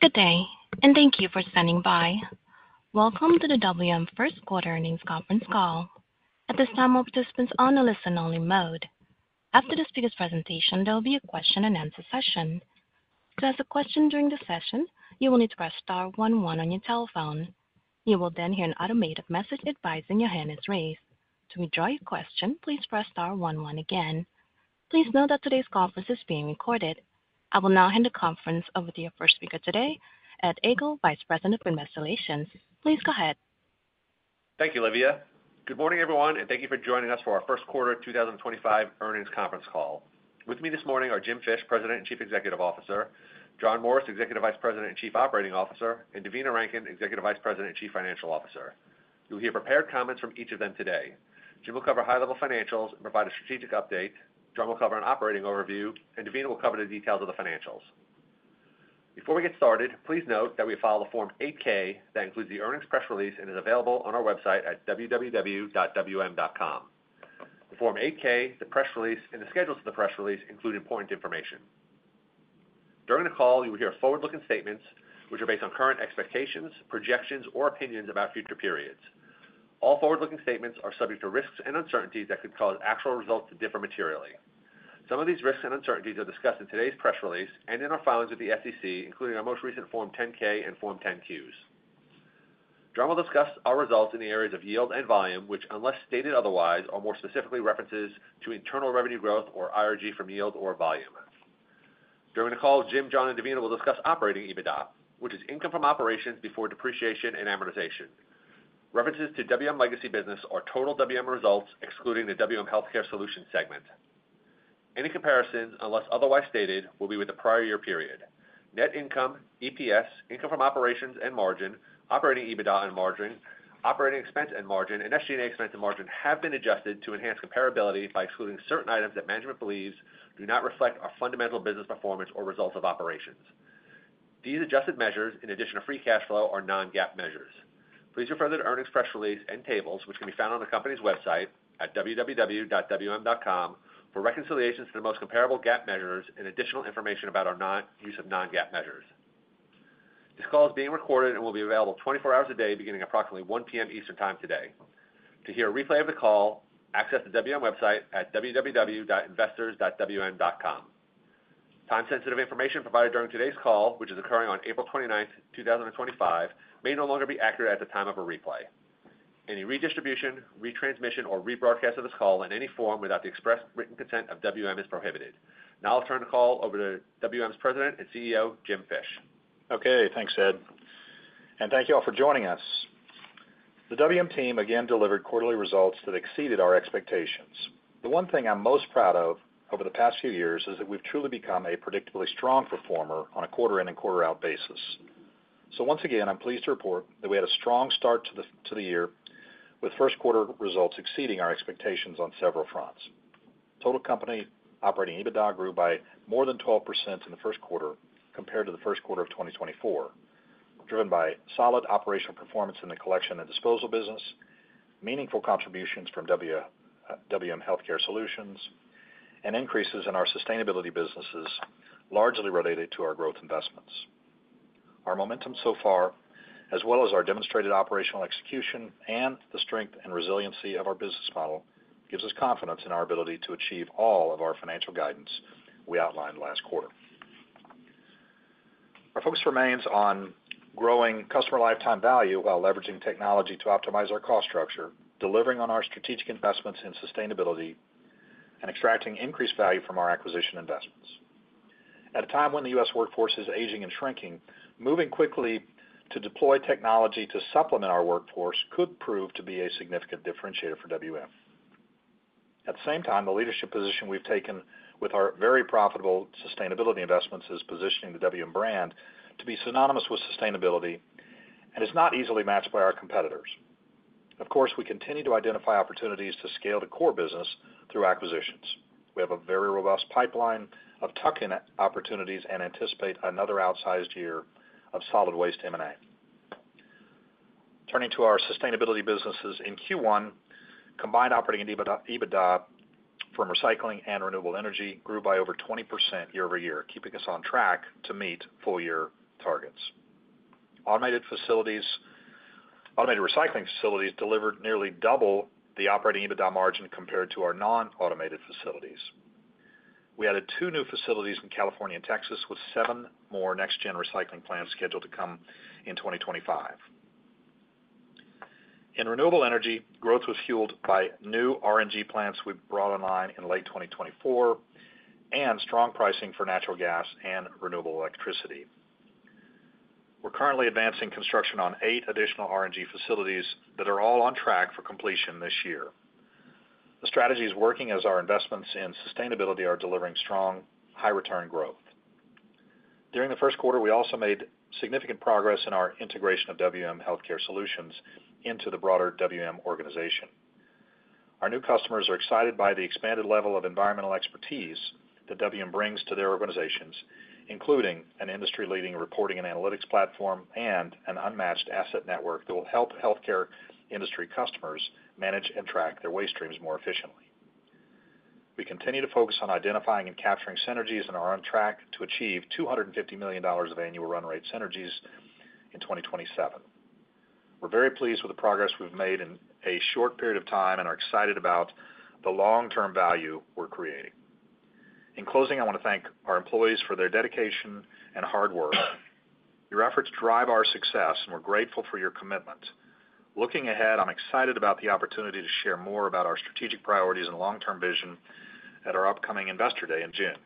Good day and thank you for standing by. Welcome to the WM Q1 Earnings Conference Call. At this time, all participants are on a listen-only mode. After the speaker's presentation, there will be a question-and-answer session. To ask a question during the session, you will need to press * 11 on your telephone. You will then hear an automated message advising your hand is raised. To withdraw your question, please press * 11 again. Please note that today's conference is being recorded. I will now hand the conference over to your first speaker today, Ed Egl, Vice President of Investor Relations. Please go ahead. Thank you, Livia. Good morning, everyone, and thank you for joining us for our Q1 2025 Earnings Conference Call. With me this morning are Jim Fish, President and Chief Executive Officer; John Morris, Executive Vice President and Chief Operating Officer; and Devina Rankin, Executive Vice President and Chief Financial Officer. You'll hear prepared comments from each of them today. Jim will cover high-level financials and provide a strategic update. John will cover an operating overview, and Devina will cover the details of the financials. Before we get started, please note that we have filed a Form 8-K that includes the earnings press release and is available on our website at www.wm.com. The Form 8-K, the press release, and the schedules of the press release include important information. During the call, you will hear forward-looking statements, which are based on current expectations, projections, or opinions about future periods. All forward-looking statements are subject to risks and uncertainties that could cause actual results to differ materially. Some of these risks and uncertainties are discussed in today's press release and in our filings with the SEC, including our most recent Form 10-K and Form 10-Q. John will discuss our results in the areas of yield and volume, which, unless stated otherwise, are more specifically references to internal revenue growth or IRG from yield or volume. During the call, Jim, John, and Devina will discuss operating EBITDA, which is income from operations before depreciation and amortization. References to WM legacy business are total WM results, excluding the WM Healthcare Solutions segment. Any comparisons, unless otherwise stated, will be with the prior year period. Net income, EPS, income from operations and margin, operating EBITDA and margin, operating expense and margin, and SG&A expense and margin have been adjusted to enhance comparability by excluding certain items that management believes do not reflect our fundamental business performance or results of operations. These adjusted measures, in addition to free cash flow, are non-GAAP measures. Please refer to the earnings press release and tables, which can be found on the company's website at www.wm.com, for reconciliations to the most comparable GAAP measures and additional information about our use of non-GAAP measures. This call is being recorded and will be available 24 hours a day, beginning approximately 1:00 P.M. Eastern Time today. To hear a replay of the call, access the WM website at www.investors.wm.com. Time-sensitive information provided during today's call, which is occurring on April 29th, 2025, may no longer be accurate at the time of a replay. Any redistribution, retransmission, or rebroadcast of this call in any form without the express written consent of WM is prohibited. Now I'll turn the call over to WM's President and CEO, Jim Fish. Okay, thanks, Ed. Thank you all for joining us. The WM team again delivered quarterly results that exceeded our expectations. The one thing I'm most proud of over the past few years is that we've truly become a predictably strong performer on a quarter-in and quarter-out basis. Once again, I'm pleased to report that we had a strong start to the year with Q1 results exceeding our expectations on several fronts. Total company operating EBITDA grew by more than 12% in the Q1 compared to the Q1 of 2024, driven by solid operational performance in the collection and disposal business, meaningful contributions from WM Healthcare Solutions, and increases in our sustainability businesses, largely related to our growth investments. Our momentum so far, as well as our demonstrated operational execution and the strength and resiliency of our business model, gives us confidence in our ability to achieve all of our financial guidance we outlined last quarter. Our focus remains on growing customer lifetime value while leveraging technology to optimize our cost structure, delivering on our strategic investments in sustainability, and extracting increased value from our acquisition investments. At a time when the U.S. workforce is aging and shrinking, moving quickly to deploy technology to supplement our workforce could prove to be a significant differentiator for WM. At the same time, the leadership position we've taken with our very profitable sustainability investments is positioning the WM brand to be synonymous with sustainability and is not easily matched by our competitors. Of course, we continue to identify opportunities to scale the core business through acquisitions. We have a very robust pipeline of tuck-in opportunities and anticipate another outsized year of solid waste M&A. Turning to our sustainability businesses, in Q1, combined operating EBITDA from recycling and renewable energy grew by over 20% year over year, keeping us on track to meet full-year targets. Automated recycling facilities delivered nearly double the operating EBITDA margin compared to our non-automated facilities. We added two new facilities in California and Texas with seven more next-gen recycling plants scheduled to come in 2025. In renewable energy, growth was fueled by new RNG plants we brought online in late 2024 and strong pricing for natural gas and renewable electricity. We're currently advancing construction on eight additional RNG facilities that are all on track for completion this year. The strategy is working as our investments in sustainability are delivering strong, high-return growth. During the Q1, we also made significant progress in our integration of WM Healthcare Solutions into the broader WM organization. Our new customers are excited by the expanded level of environmental expertise that WM brings to their organizations, including an industry-leading reporting and analytics platform and an unmatched asset network that will help healthcare industry customers manage and track their waste streams more efficiently. We continue to focus on identifying and capturing synergies and are on track to achieve $250 million of annual run rate synergies in 2027. We're very pleased with the progress we've made in a short period of time and are excited about the long-term value we're creating. In closing, I want to thank our employees for their dedication and hard work. Your efforts drive our success, and we're grateful for your commitment. Looking ahead, I'm excited about the opportunity to share more about our strategic priorities and long-term vision at our upcoming Investor Day in June.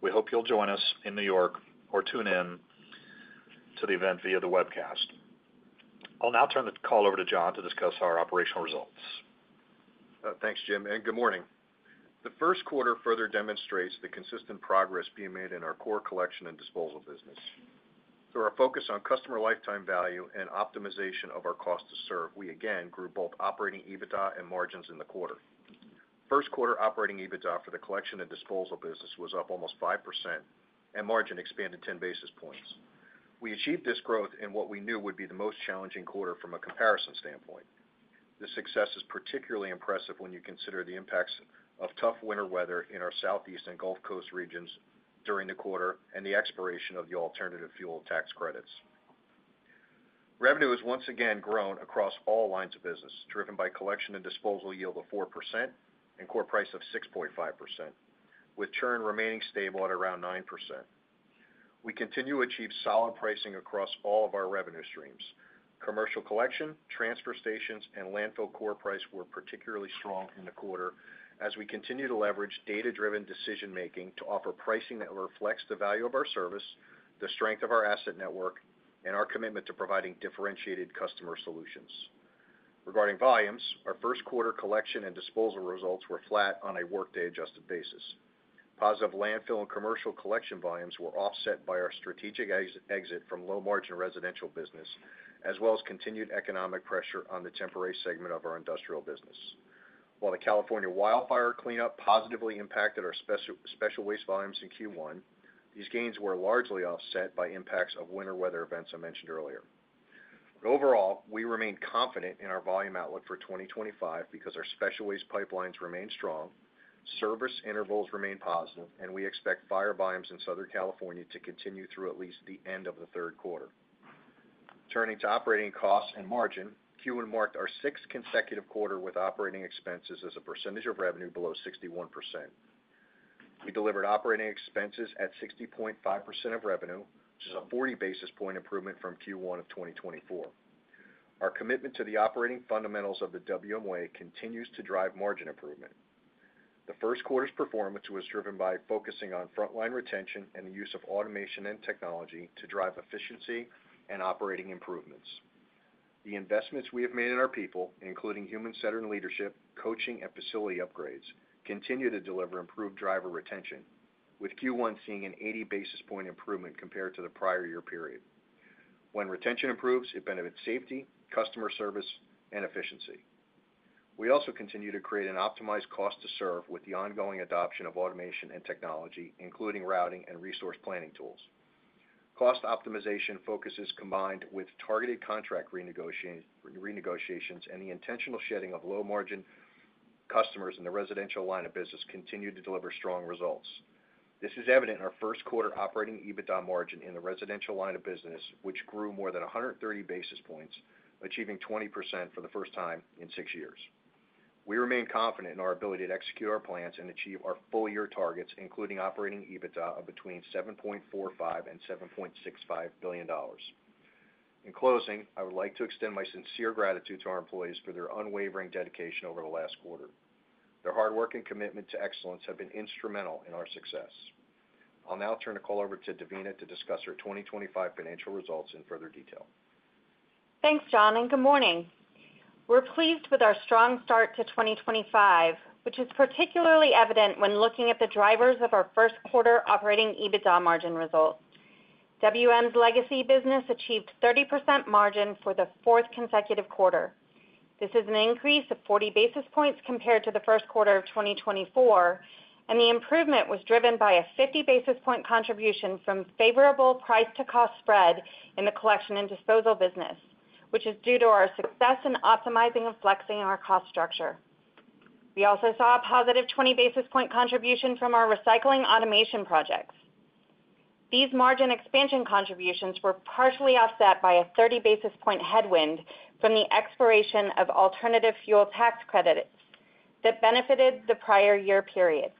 We hope you'll join us in New York or tune in to the event via the webcast. I'll now turn the call over to John to discuss our operational results. Thanks, Jim. Good morning. The Q1 further demonstrates the consistent progress being made in our core collection and disposal business. Through our focus on customer lifetime value and optimization of our cost to serve, we again grew both operating EBITDA and margins in the quarter. Q1 operating EBITDA for the collection and disposal business was up almost 5%, and margin expanded 10 basis points. We achieved this growth in what we knew would be the most challenging quarter from a comparison standpoint. This success is particularly impressive when you consider the impacts of tough winter weather in our Southeast and Gulf Coast regions during the quarter and the expiration of the alternative fuel tax credits. Revenue has once again grown across all lines of business, driven by collection and disposal yield of 4% and core price of 6.5%, with churn remaining stable at around 9%. We continue to achieve solid pricing across all of our revenue streams. Commercial collection, transfer stations, and landfill core price were particularly strong in the quarter as we continue to leverage data-driven decision-making to offer pricing that reflects the value of our service, the strength of our asset network, and our commitment to providing differentiated customer solutions. Regarding volumes, our Q1 collection and disposal results were flat on a workday-adjusted basis. Positive landfill and commercial collection volumes were offset by our strategic exit from low-margin residential business, as well as continued economic pressure on the temporary segment of our industrial business. While the California wildfire cleanup positively impacted our special waste volumes in Q1, these gains were largely offset by impacts of winter weather events I mentioned earlier. Overall, we remain confident in our volume outlook for 2025 because our special waste pipelines remain strong, service intervals remain positive, and we expect fire volumes in Southern California to continue through at least the end of the Q3. Turning to operating costs and margin, Q1 marked our sixth consecutive quarter with operating expenses as a percentage of revenue below 61%. We delivered operating expenses at 60.5% of revenue, which is a 40 basis point improvement from Q1 of 2024. Our commitment to the operating fundamentals of the WM Way continues to drive margin improvement. The Q1's performance was driven by focusing on frontline retention and the use of automation and technology to drive efficiency and operating improvements. The investments we have made in our people, including human-centered leadership, coaching, and facility upgrades, continue to deliver improved driver retention, with Q1 seeing an 80 basis point improvement compared to the prior year period. When retention improves, it benefits safety, customer service, and efficiency. We also continue to create an optimized cost to serve with the ongoing adoption of automation and technology, including routing and resource planning tools. Cost optimization focuses combined with targeted contract renegotiations and the intentional shedding of low-margin customers in the residential line of business continue to deliver strong results. This is evident in our Q1 operating EBITDA margin in the residential line of business, which grew more than 130 basis points, achieving 20% for the first time in six years. We remain confident in our ability to execute our plans and achieve our full-year targets, including operating EBITDA of between $7.45 and 7.65 billion. In closing, I would like to extend my sincere gratitude to our employees for their unwavering dedication over the last quarter. Their hard work and commitment to excellence have been instrumental in our success. I'll now turn the call over to Devina to discuss her 2025 financial results in further detail. Thanks, John, and good morning. We're pleased with our strong start to 2025, which is particularly evident when looking at the drivers of our Q1 operating EBITDA margin results. WM's legacy business achieved 30% margin for the fourth consecutive quarter. This is an increase of 40 basis points compared to the Q1 of 2024, and the improvement was driven by a 50 basis point contribution from favorable price-to-cost spread in the collection and disposal business, which is due to our success in optimizing and flexing our cost structure. We also saw a positive 20 basis point contribution from our recycling automation projects. These margin expansion contributions were partially offset by a 30 basis point headwind from the expiration of alternative fuel tax credits that benefited the prior year period.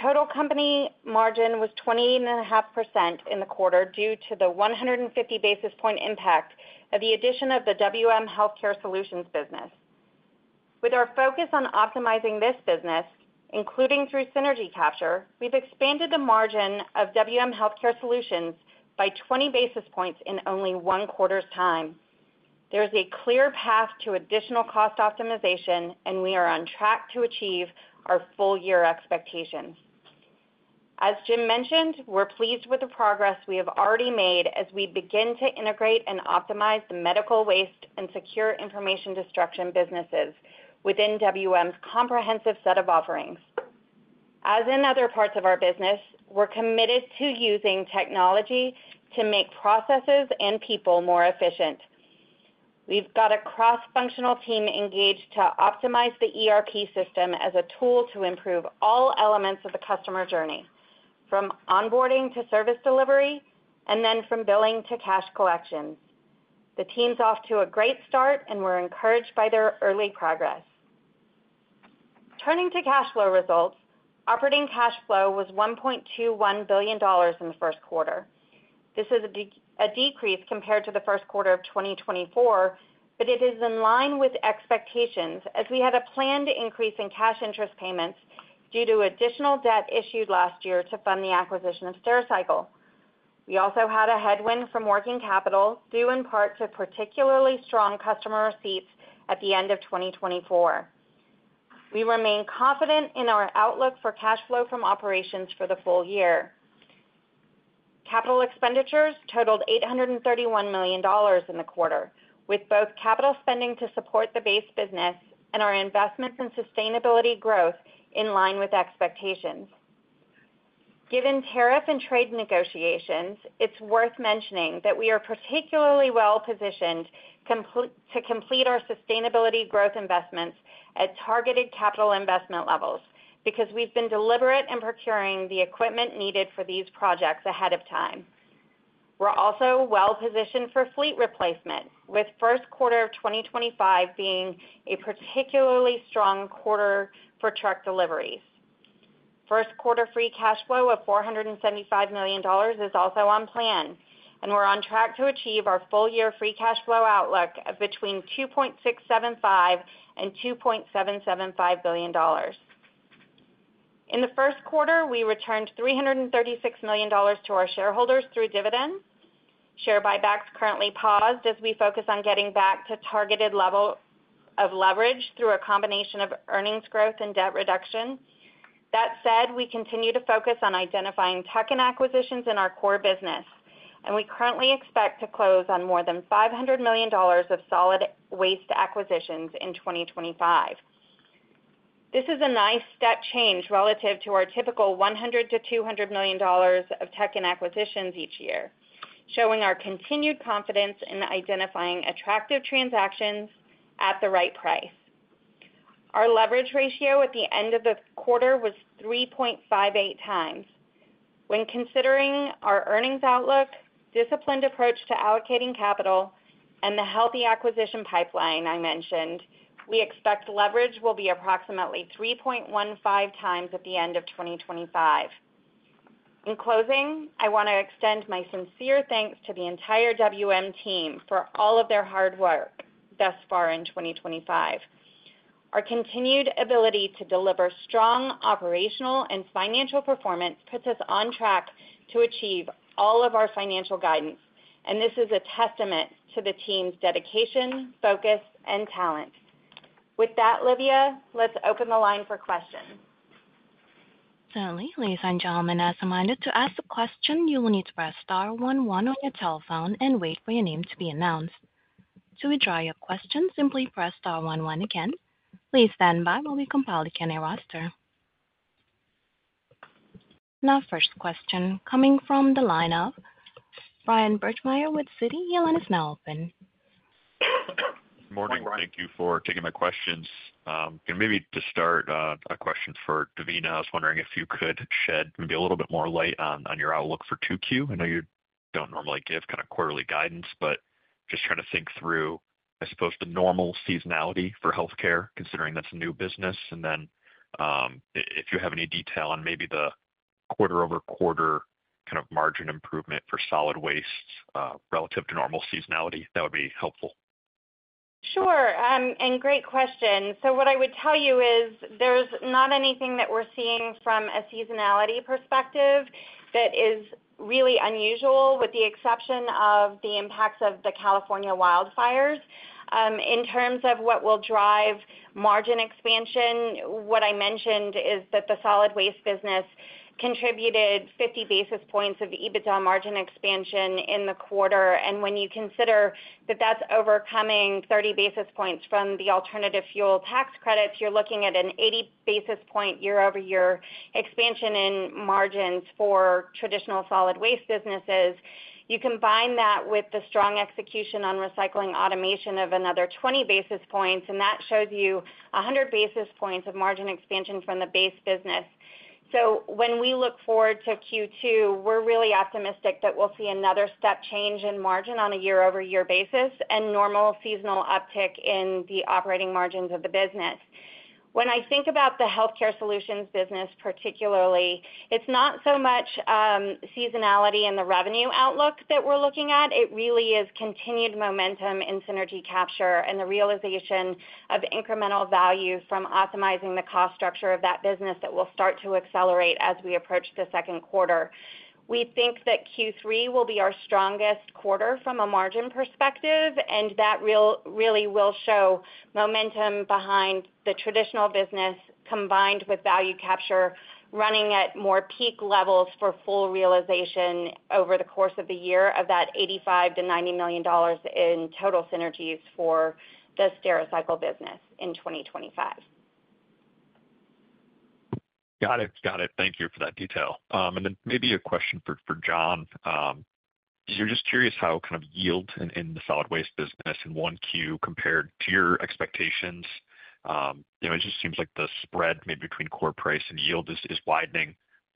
Total company margin was 20.5% in the quarter due to the 150 basis point impact of the addition of the WM Healthcare Solutions business. With our focus on optimizing this business, including through synergy capture, we've expanded the margin of WM Healthcare Solutions by 20 basis points in only one quarter's time. There is a clear path to additional cost optimization, and we are on track to achieve our full-year expectations. As Jim mentioned, we're pleased with the progress we have already made as we begin to integrate and optimize the medical waste and secure information destruction businesses within WM's comprehensive set of offerings. As in other parts of our business, we're committed to using technology to make processes and people more efficient. We've got a cross-functional team engaged to optimize the ERP system as a tool to improve all elements of the customer journey, from onboarding to service delivery, and then from billing to cash collection. The team's off to a great start, and we're encouraged by their early progress. Turning to cash flow results, operating cash flow was $1.21 billion in the Q1. This is a decrease compared to the Q1 of 2024, but it is in line with expectations as we had a planned increase in cash interest payments due to additional debt issued last year to fund the acquisition of Stericycle. We also had a headwind from working capital due in part to particularly strong customer receipts at the end of 2024. We remain confident in our outlook for cash flow from operations for the full year. Capital expenditures totaled $831 million in the quarter, with both capital spending to support the base business and our investments in sustainability growth in line with expectations. Given tariff and trade negotiations, it's worth mentioning that we are particularly well-positioned to complete our sustainability growth investments at targeted capital investment levels because we've been deliberate in procuring the equipment needed for these projects ahead of time. We're also well-positioned for fleet replacement, with Q1 of 2025 being a particularly strong quarter for truck deliveries. Q1 free cash flow of $475 million is also on plan, and we're on track to achieve our full-year free cash flow outlook of between $2.675 and 2.775 billion. In the Q1, we returned $336 million to our shareholders through dividends. Share buybacks currently paused as we focus on getting back to targeted level of leverage through a combination of earnings growth and debt reduction. That said, we continue to focus on identifying tech and acquisitions in our core business, and we currently expect to close on more than $500 million of solid waste acquisitions in 2025. This is a nice step change relative to our typical $100-200 million of tech and acquisitions each year, showing our continued confidence in identifying attractive transactions at the right price. Our leverage ratio at the end of the quarter was 3.58 times. When considering our earnings outlook, disciplined approach to allocating capital, and the healthy acquisition pipeline I mentioned, we expect leverage will be approximately 3.15 times at the end of 2025. In closing, I want to extend my sincere thanks to the entire WM team for all of their hard work thus far in 2025. Our continued ability to deliver strong operational and financial performance puts us on track to achieve all of our financial guidance, and this is a testament to the team's dedication, focus, and talent. With that, Livia, let's open the line for questions. Lee, please unmute and take a minute to ask the question. You will need to press * 11 on your telephone and wait for your name to be announced. To withdraw your question, simply press * 11 again. Please stand by while we compile the candidate roster. Now, first question coming from the lineup, Bryan Burgmeier with Citi, he'll let us know open. Good morning. Thank you for taking my questions. Maybe to start, a question for Devina. I was wondering if you could shed maybe a little bit more light on your outlook for 2Q. I know you don't normally give kind of quarterly guidance, but just trying to think through, I suppose, the normal seasonality for healthcare, considering that's a new business. And then if you have any detail on maybe the quarter-over-quarter kind of margin improvement for solid waste relative to normal seasonality, that would be helpful. Sure. Great question. What I would tell you is there's not anything that we're seeing from a seasonality perspective that is really unusual, with the exception of the impacts of the California wildfires. In terms of what will drive margin expansion, what I mentioned is that the solid waste business contributed 50 basis points of EBITDA margin expansion in the quarter. When you consider that that's overcoming 30 basis points from the alternative fuel tax credits, you're looking at an 80 basis point year-over-year expansion in margins for traditional solid waste businesses. You combine that with the strong execution on recycling automation of another 20 basis points, and that shows you 100 basis points of margin expansion from the base business. When we look forward to Q2, we're really optimistic that we'll see another step change in margin on a year-over-year basis and normal seasonal uptick in the operating margins of the business. When I think about the healthcare solutions business particularly, it's not so much seasonality in the revenue outlook that we're looking at. It really is continued momentum in synergy capture and the realization of incremental value from optimizing the cost structure of that business that will start to accelerate as we approach the Q2. We think that Q3 will be our strongest quarter from a margin perspective, and that really will show momentum behind the traditional business combined with value capture running at more peak levels for full realization over the course of the year of that $85 million-$90 million in total synergies for the Stericycle business in 2025. Got it. Got it. Thank you for that detail. Maybe a question for John. You're just curious how kind of yield in the solid waste business in Q1 compared to your expectations. It just seems like the spread maybe between core price and yield is widening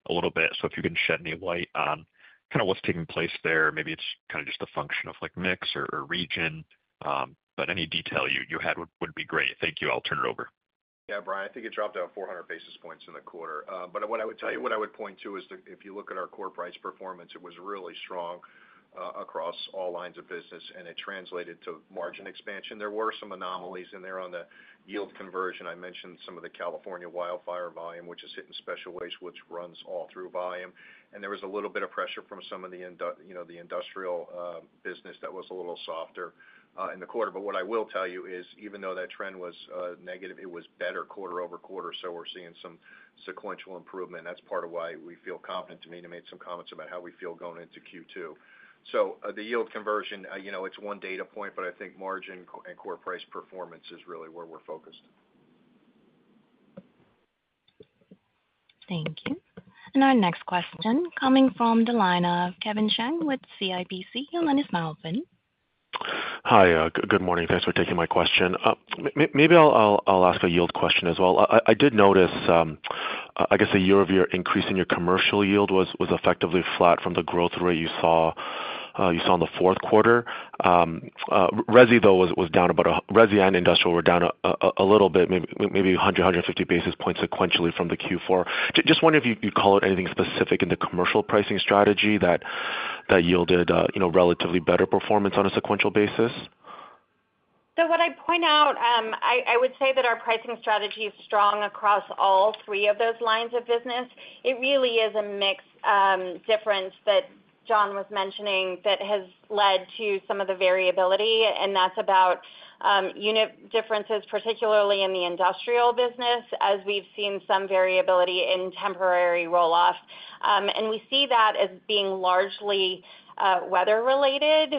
a little bit. If you can shed any light on kind of what's taking place there, maybe it's kind of just a function of mix or region, but any detail you had would be great. Thank you. I'll turn it over. Yeah, Brian, I think it dropped down 400 basis points in the quarter. What I would tell you, what I would point to is that if you look at our core price performance, it was really strong across all lines of business, and it translated to margin expansion. There were some anomalies in there on the yield conversion. I mentioned some of the California wildfire volume, which is hitting special waste, which runs all through volume. There was a little bit of pressure from some of the industrial business that was a little softer in the quarter. What I will tell you is, even though that trend was negative, it was better quarter-over-quarter. We are seeing some sequential improvement. That is part of why we feel confident to make some comments about how we feel going into Q2. The yield conversion, it's one data point, but I think margin and core price performance is really where we're focused. Thank you. Our next question coming from the line of Kevin Chiang with CIBC, he'll let us know. Open. Hi, good morning. Thanks for taking my question. Maybe I'll ask a yield question as well. I did notice, I guess, a year-over-year increase in your commercial yield was effectively flat from the growth rate you saw on the Q4. Resi, though, was down about a Resi and Industrial were down a little bit, maybe 100, 150 basis points sequentially from the Q4. Just wondering if you'd call it anything specific in the commercial pricing strategy that yielded relatively better performance on a sequential basis. What I'd point out, I would say that our pricing strategy is strong across all three of those lines of business. It really is a mix difference that John was mentioning that has led to some of the variability, and that's about unit differences, particularly in the industrial business, as we've seen some variability in temporary roll off. We see that as being largely weather-related.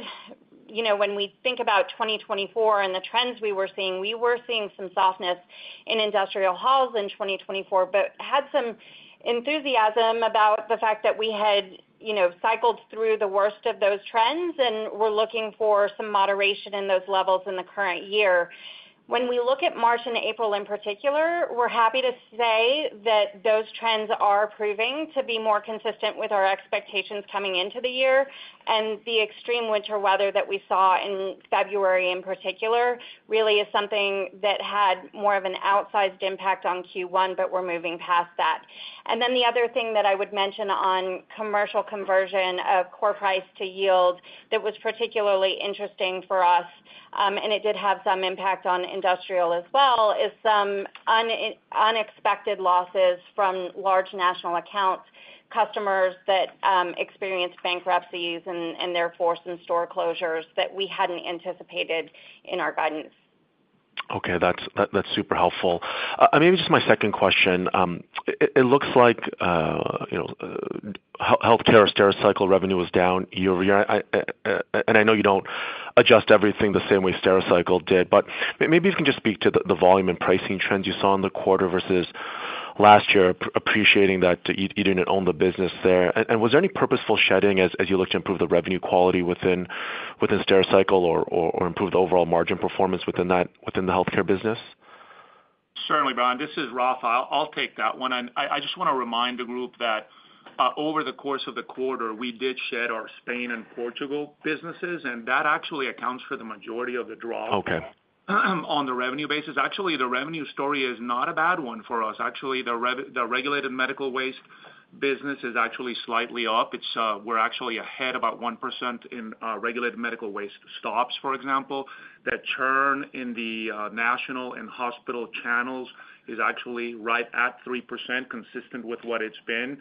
When we think about 2024 and the trends we were seeing, we were seeing some softness in industrial hauls in 2024, but had some enthusiasm about the fact that we had cycled through the worst of those trends and were looking for some moderation in those levels in the current year. When we look at March and April in particular, we're happy to say that those trends are proving to be more consistent with our expectations coming into the year. The extreme winter weather that we saw in February in particular really is something that had more of an outsized impact on Q1, but we're moving past that. The other thing that I would mention on commercial conversion of core price to yield that was particularly interesting for us, and it did have some impact on industrial as well, is some unexpected losses from large national accounts, customers that experienced bankruptcies and therefore some store closures that we hadn't anticipated in our guidance. Okay. That's super helpful. Maybe just my second question. It looks like healthcare or Stericycle revenue was down year-over-year. I know you don't adjust everything the same way Stericycle did, but maybe you can just speak to the volume and pricing trends you saw in the quarter versus last year, appreciating that you didn't own the business there. Was there any purposeful shedding as you looked to improve the revenue quality within Stericycle or improve the overall margin performance within the healthcare business? Certainly, Brian. This is Rafael. I'll take that one. I just want to remind the group that over the course of the quarter, we did shed our Spain and Portugal businesses, and that actually accounts for the majority of the draw on the revenue basis. Actually, the revenue story is not a bad one for us. Actually, the regulated medical waste business is actually slightly up. We're actually ahead about 1% in regulated medical waste stops, for example. That churn in the national and hospital channels is actually right at 3%, consistent with what it's been.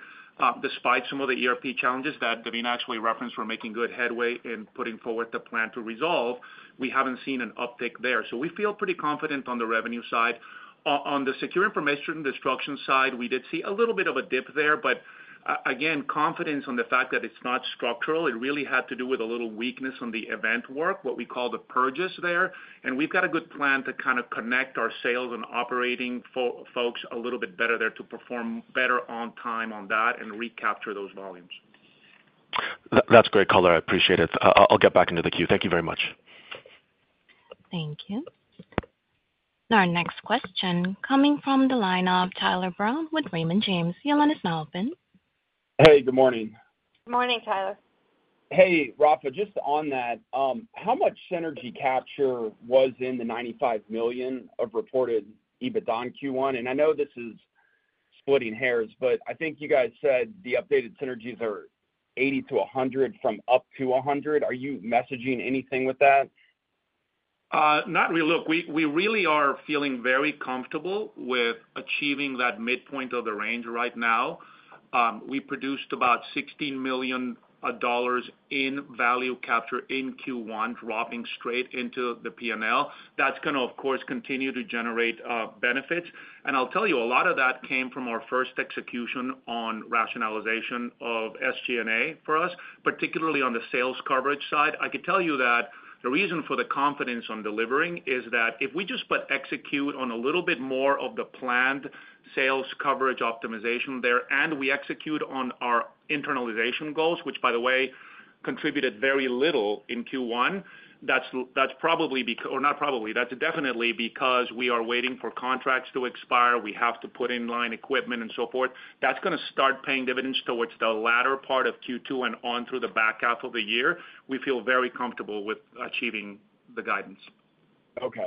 Despite some of the ERP challenges that Devina actually referenced, we're making good headway in putting forward the plan to resolve. We haven't seen an uptick there. We feel pretty confident on the revenue side. On the secure information destruction side, we did see a little bit of a dip there, but again, confidence on the fact that it's not structural. It really had to do with a little weakness on the event work, what we call the purges there. We have got a good plan to kind of connect our sales and operating folks a little bit better there to perform better on time on that and recapture those volumes. That's great color. I appreciate it. I'll get back into the queue. Thank you very much. Thank you. Our next question coming from the line of Tyler Brown with Raymond James, he'll let us know open. Hey, good morning. Good morning, Tyler. Hey, Rafa, just on that, how much synergy capture was in the $95 million of reported EBITDA in Q1? I know this is splitting hairs, but I think you guys said the updated synergies are $80-100 million from up to $100 million. Are you messaging anything with that? Not really. Look, we really are feeling very comfortable with achieving that midpoint of the range right now. We produced about $16 million in value capture in Q1, dropping straight into the P&L. That is going to, of course, continue to generate benefits. I will tell you, a lot of that came from our first execution on rationalization of SG&A for us, particularly on the sales coverage side. I could tell you that the reason for the confidence on delivering is that if we just but execute on a little bit more of the planned sales coverage optimization there, and we execute on our internalization goals, which, by the way, contributed very little in Q1, that is probably—or not probably, that is definitely because we are waiting for contracts to expire. We have to put in line equipment and so forth. That's going to start paying dividends towards the latter part of Q2 and on through the back half of the year. We feel very comfortable with achieving the guidance. Okay.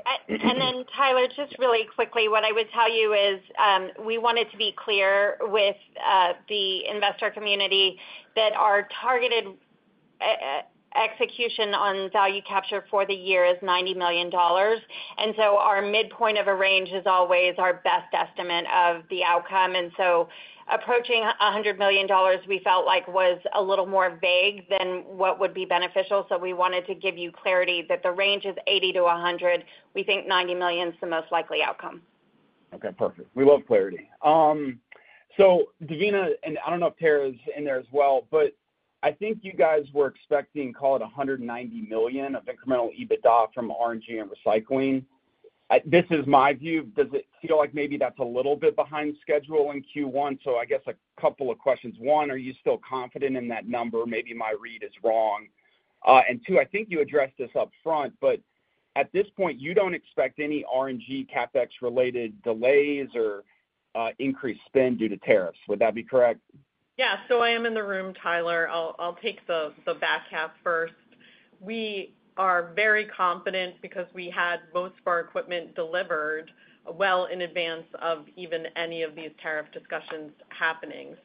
Tyler, just really quickly, what I would tell you is we wanted to be clear with the investor community that our targeted execution on value capture for the year is $90 million. Our midpoint of a range is always our best estimate of the outcome. Approaching $100 million, we felt like was a little more vague than what would be beneficial. We wanted to give you clarity that the range is $80-100 million. We think $90 million is the most likely outcome. Okay. Perfect. We love clarity. Devina, and I do not know if Tara is in there as well, but I think you guys were expecting, call it $190 million of incremental EBITDA from RNG and recycling. This is my view. Does it feel like maybe that is a little bit behind schedule in Q1? I guess a couple of questions. One, are you still confident in that number? Maybe my read is wrong. Two, I think you addressed this upfront, but at this point, you do not expect any RNG CapEx related delays or increased spend due to tariffs. Would that be correct? Yeah. I am in the room, Tyler. I'll take the back half first. We are very confident because we had most of our equipment delivered well in advance of even any of these tariff discussions happening.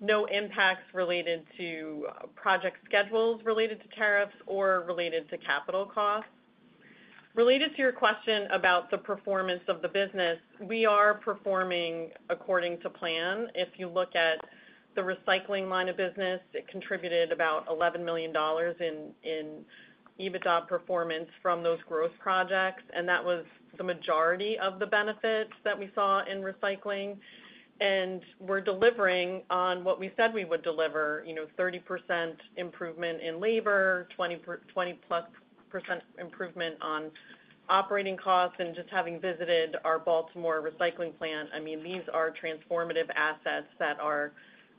No impacts related to project schedules related to tariffs or related to capital costs. Related to your question about the performance of the business, we are performing according to plan. If you look at the recycling line of business, it contributed about $11 million in EBITDA performance from those gross projects. That was the majority of the benefits that we saw in recycling. We're delivering on what we said we would deliver: 30% improvement in labor, 20-plus % improvement on operating costs. I mean, just having visited our Baltimore recycling plant, these are transformative assets that are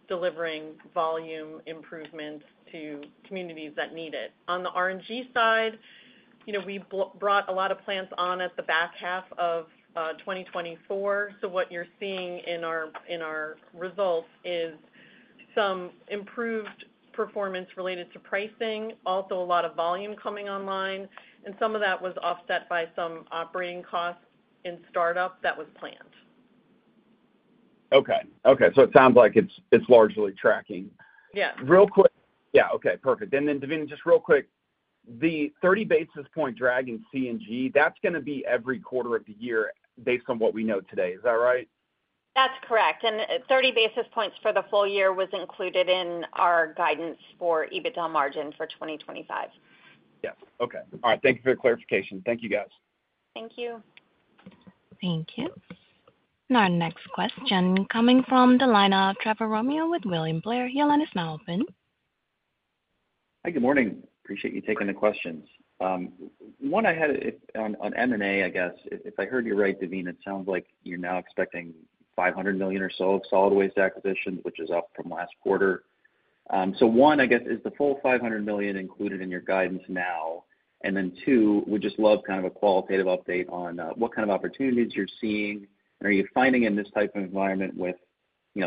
delivering volume improvements to communities that need it. On the RNG side, we brought a lot of plants on at the back half of 2024. What you're seeing in our results is some improved performance related to pricing, also a lot of volume coming online. Some of that was offset by some operating costs in startup that was planned. Okay. Okay. It sounds like it's largely tracking. Yeah. Real quick. Yeah. Okay. Perfect. Devina, just real quick, the 30 basis point drag in CNG, that's going to be every quarter of the year based on what we know today. Is that right? That's correct. Thirty basis points for the full year was included in our guidance for EBITDA margin for 2025. Yes. Okay. All right. Thank you for the clarification. Thank you, guys. Thank you. Thank you. Our next question coming from the line of Trevor Romeo with William Blair, he'll let us know open. Hi, good morning. Appreciate you taking the questions. One I had on M&A, I guess. If I heard you right, Devina, it sounds like you're now expecting $500 million or so of solid waste acquisitions, which is up from last quarter. One, I guess, is the full $500 million included in your guidance now? Two, we'd just love kind of a qualitative update on what kind of opportunities you're seeing. Are you finding in this type of environment with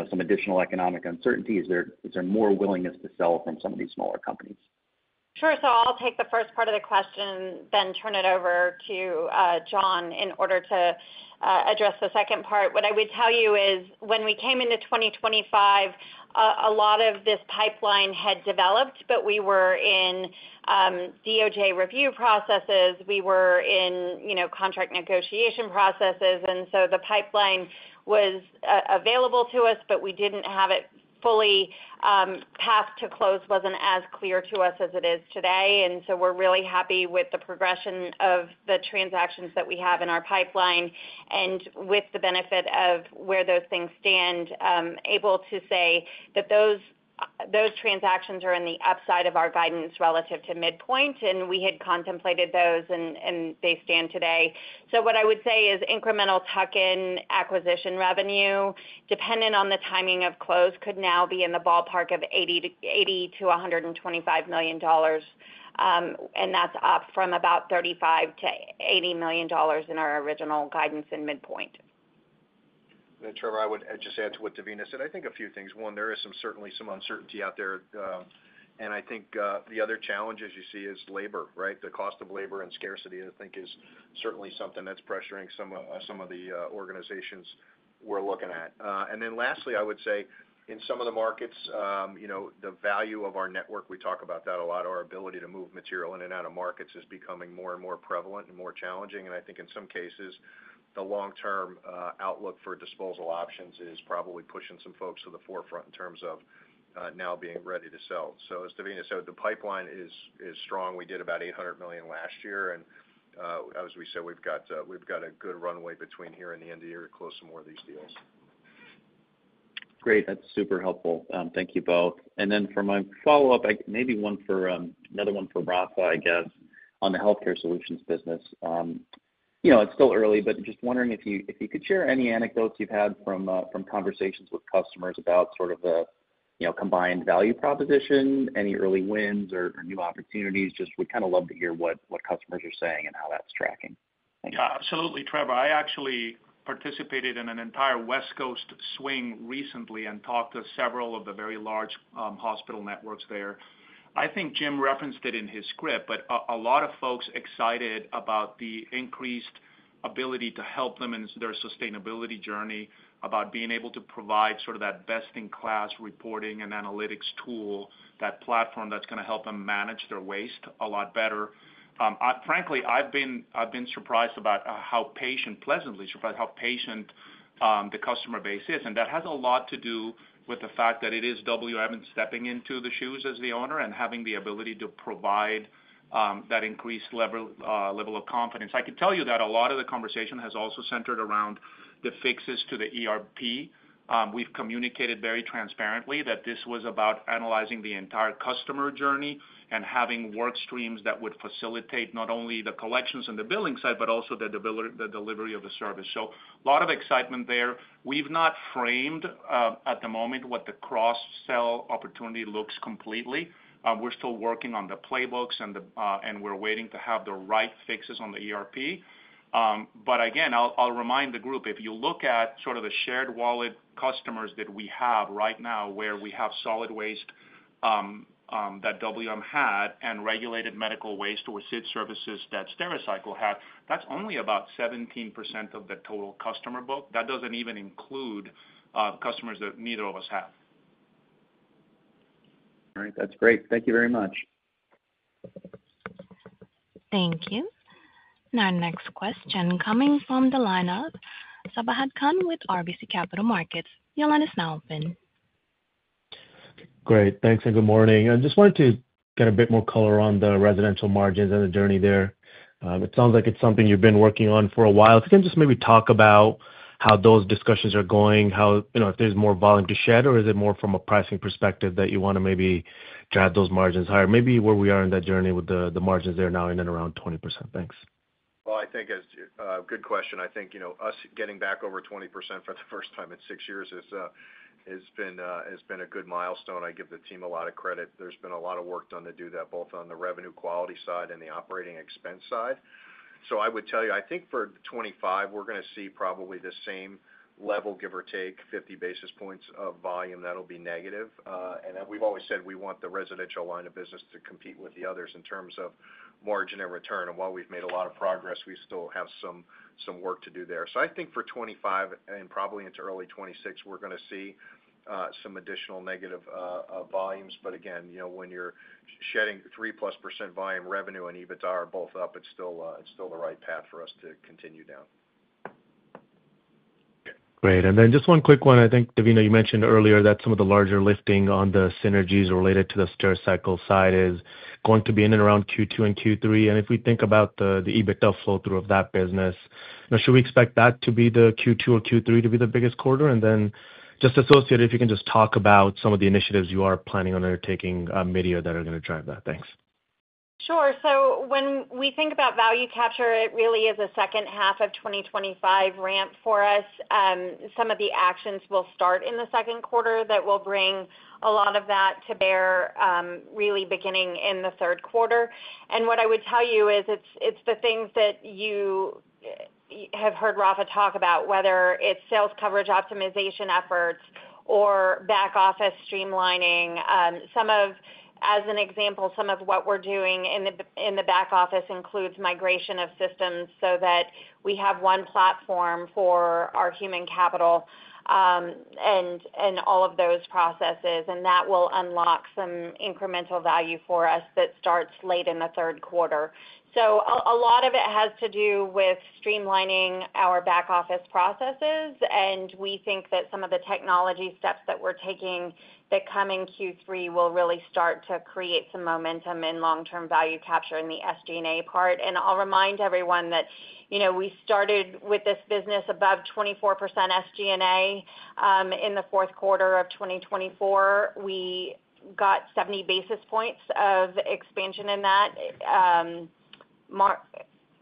some additional economic uncertainty, is there more willingness to sell from some of these smaller companies? Sure. I'll take the first part of the question, then turn it over to John in order to address the second part. What I would tell you is when we came into 2025, a lot of this pipeline had developed, but we were in DOJ review processes. We were in contract negotiation processes. The pipeline was available to us, but we did not have it fully. path to close was not as clear to us as it is today. We are really happy with the progression of the transactions that we have in our pipeline. With the benefit of where those things stand, we are able to say that those transactions are in the upside of our guidance relative to midpoint. We had contemplated those, and they stand today. What I would say is incremental tuck-in acquisition revenue, dependent on the timing of close, could now be in the ballpark of $80-125 million. That's up from about $35-80 million in our original guidance and midpoint. Trevor, I would just add to what Devina said. I think a few things. One, there is certainly some uncertainty out there. I think the other challenge as you see is labor, right? The cost of labor and scarcity, I think, is certainly something that's pressuring some of the organizations we're looking at. Lastly, I would say in some of the markets, the value of our network, we talk about that a lot, our ability to move material in and out of markets is becoming more and more prevalent and more challenging. I think in some cases, the long-term outlook for disposal options is probably pushing some folks to the forefront in terms of now being ready to sell. As Devina said, the pipeline is strong. We did about $800 million last year. As we said, we've got a good runway between here and the end of the year to close some more of these deals. Great. That's super helpful. Thank you both. For my follow-up, maybe another one for Rafa, I guess, on the healthcare solutions business. It's still early, but just wondering if you could share any anecdotes you've had from conversations with customers about sort of the combined value proposition, any early wins or new opportunities. We'd kind of love to hear what customers are saying and how that's tracking. Yeah. Absolutely, Trevor. I actually participated in an entire West Coast swing recently and talked to several of the very large hospital networks there. I think Jim referenced it in his script, but a lot of folks excited about the increased ability to help them in their sustainability journey, about being able to provide sort of that best-in-class reporting and analytics tool, that platform that's going to help them manage their waste a lot better. Frankly, I've been surprised about how patient, pleasantly surprised, how patient the customer base is. That has a lot to do with the fact that it is WM stepping into the shoes as the owner and having the ability to provide that increased level of confidence. I could tell you that a lot of the conversation has also centered around the fixes to the ERP. We've communicated very transparently that this was about analyzing the entire customer journey and having work streams that would facilitate not only the collections and the billing side, but also the delivery of the service. A lot of excitement there. We've not framed at the moment what the cross-sell opportunity looks completely. We're still working on the playbooks, and we're waiting to have the right fixes on the ERP. Again, I'll remind the group, if you look at sort of the shared wallet customers that we have right now, where we have solid waste that WM had and regulated medical waste or secure information destruction services that Stericycle had, that's only about 17% of the total customer book. That doesn't even include customers that neither of us have. All right. That's great. Thank you very much. Thank you. Our next question coming from the line of Sabahat Khan with RBC Capital Markets. You'll let us know, open. Great. Thanks and good morning. I just wanted to get a bit more color on the residential margins and the journey there. It sounds like it's something you've been working on for a while. Can you just maybe talk about how those discussions are going, if there's more volume to shed, or is it more from a pricing perspective that you want to maybe drive those margins higher? Maybe where we are in that journey with the margins there now in and around 20%. Thanks. I think a good question. I think us getting back over 20% for the first time in six years has been a good milestone. I give the team a lot of credit. There's been a lot of work done to do that, both on the revenue quality side and the operating expense side. I would tell you, I think for 2025, we're going to see probably the same level, give or take, 50 basis points of volume. That'll be negative. We have always said we want the residential line of business to compete with the others in terms of margin and return. While we've made a lot of progress, we still have some work to do there. I think for 2025 and probably into early 2026, we're going to see some additional negative volumes. When you're shedding 3-plus % volume, revenue and EBITDA are both up, it's still the right path for us to continue down. Great. And then just one quick one. I think, Devina, you mentioned earlier that some of the larger lifting on the synergies related to the Stericycle side is going to be in and around Q2 and Q3. If we think about the EBITDA flow-through of that business, should we expect that Q2 or Q3 to be the biggest quarter? And then just associated, if you can just talk about some of the initiatives you are planning on undertaking midyear that are going to drive that. Thanks. Sure. When we think about value capture, it really is a second half of 2025 ramp for us. Some of the actions will start in the Q2 that will bring a lot of that to bear really beginning in the Q3. What I would tell you is it's the things that you have heard Rafa talk about, whether it's sales coverage optimization efforts or back office streamlining. As an example, some of what we're doing in the back office includes migration of systems so that we have one platform for our human capital and all of those processes. That will unlock some incremental value for us that starts late in the Q3. A lot of it has to do with streamlining our back office processes. We think that some of the technology steps that we're taking that come in Q3 will really start to create some momentum in long-term value capture in the SG&A part. I'll remind everyone that we started with this business above 24% SG&A in the Q4 of 2024. We got 70 basis points of expansion in that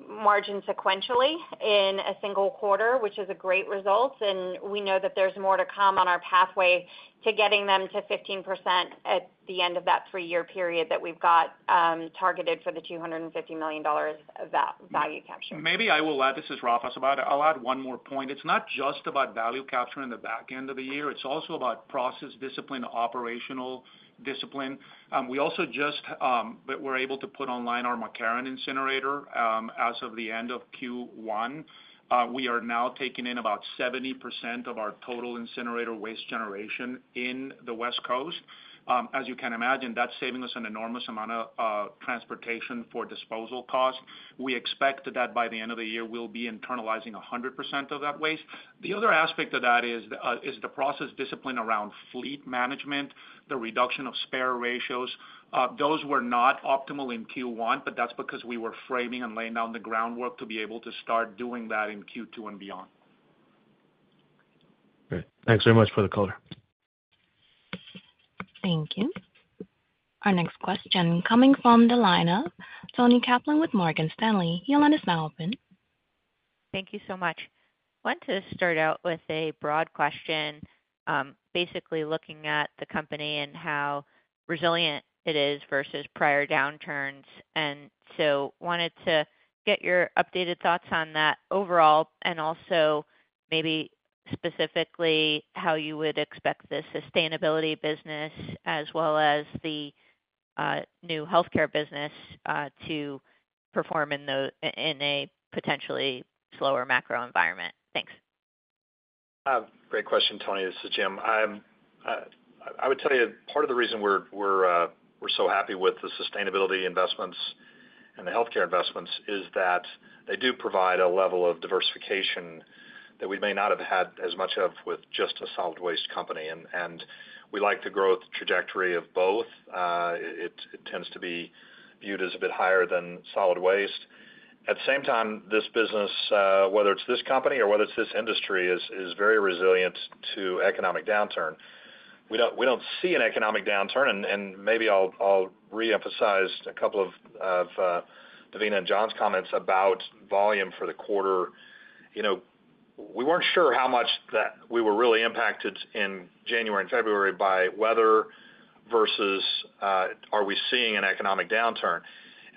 margin sequentially in a single quarter, which is a great result. We know that there's more to come on our pathway to getting them to 15% at the end of that three-year period that we've got targeted for the $250 million value capture. Maybe I will add, this is Rafa about it. I'll add one more point. It's not just about value capture in the back end of the year. It's also about process discipline, operational discipline. We also just were able to put online our McCarran incinerator as of the end of Q1. We are now taking in about 70% of our total incinerator waste generation in the West Coast. As you can imagine, that's saving us an enormous amount of transportation for disposal costs. We expect that by the end of the year, we'll be internalizing 100% of that waste. The other aspect of that is the process discipline around fleet management, the reduction of spare ratios. Those were not optimal in Q1, but that's because we were framing and laying down the groundwork to be able to start doing that in Q2 and beyond. Great. Thanks very much for the color. Thank you. Our next question coming from the line of Toni Kaplan with Morgan Stanley. You'll let us know, open. Thank you so much. I want to start out with a broad question, basically looking at the company and how resilient it is versus prior downturns. I wanted to get your updated thoughts on that overall and also maybe specifically how you would expect the sustainability business as well as the new healthcare business to perform in a potentially slower macro environment. Thanks. Great question, Toni. This is Jim. I would tell you part of the reason we're so happy with the sustainability investments and the healthcare investments is that they do provide a level of diversification that we may not have had as much of with just a solid waste company. We like the growth trajectory of both. It tends to be viewed as a bit higher than solid waste. At the same time, this business, whether it's this company or whether it's this industry, is very resilient to economic downturn. We don't see an economic downturn. Maybe I'll re-emphasize a couple of John's comments about volume for the quarter. We weren't sure how much that we were really impacted in January and February by weather versus are we seeing an economic downturn.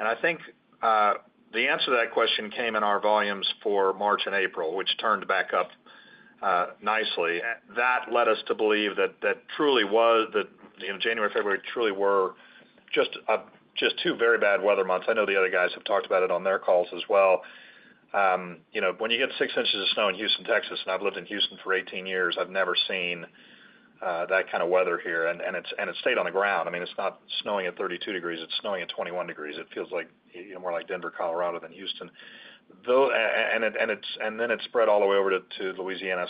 I think the answer to that question came in our volumes for March and April, which turned back up nicely. That led us to believe that truly January and February truly were just two very bad weather months. I know the other guys have talked about it on their calls as well. When you get 6 inches of snow in Houston, Texas, and I've lived in Houston for 18 years, I've never seen that kind of weather here. It stayed on the ground. I mean, it's not snowing at 32 degrees. It's snowing at 21 degrees. It feels more like Denver, Colorado than Houston. It spread all the way over to Louisiana.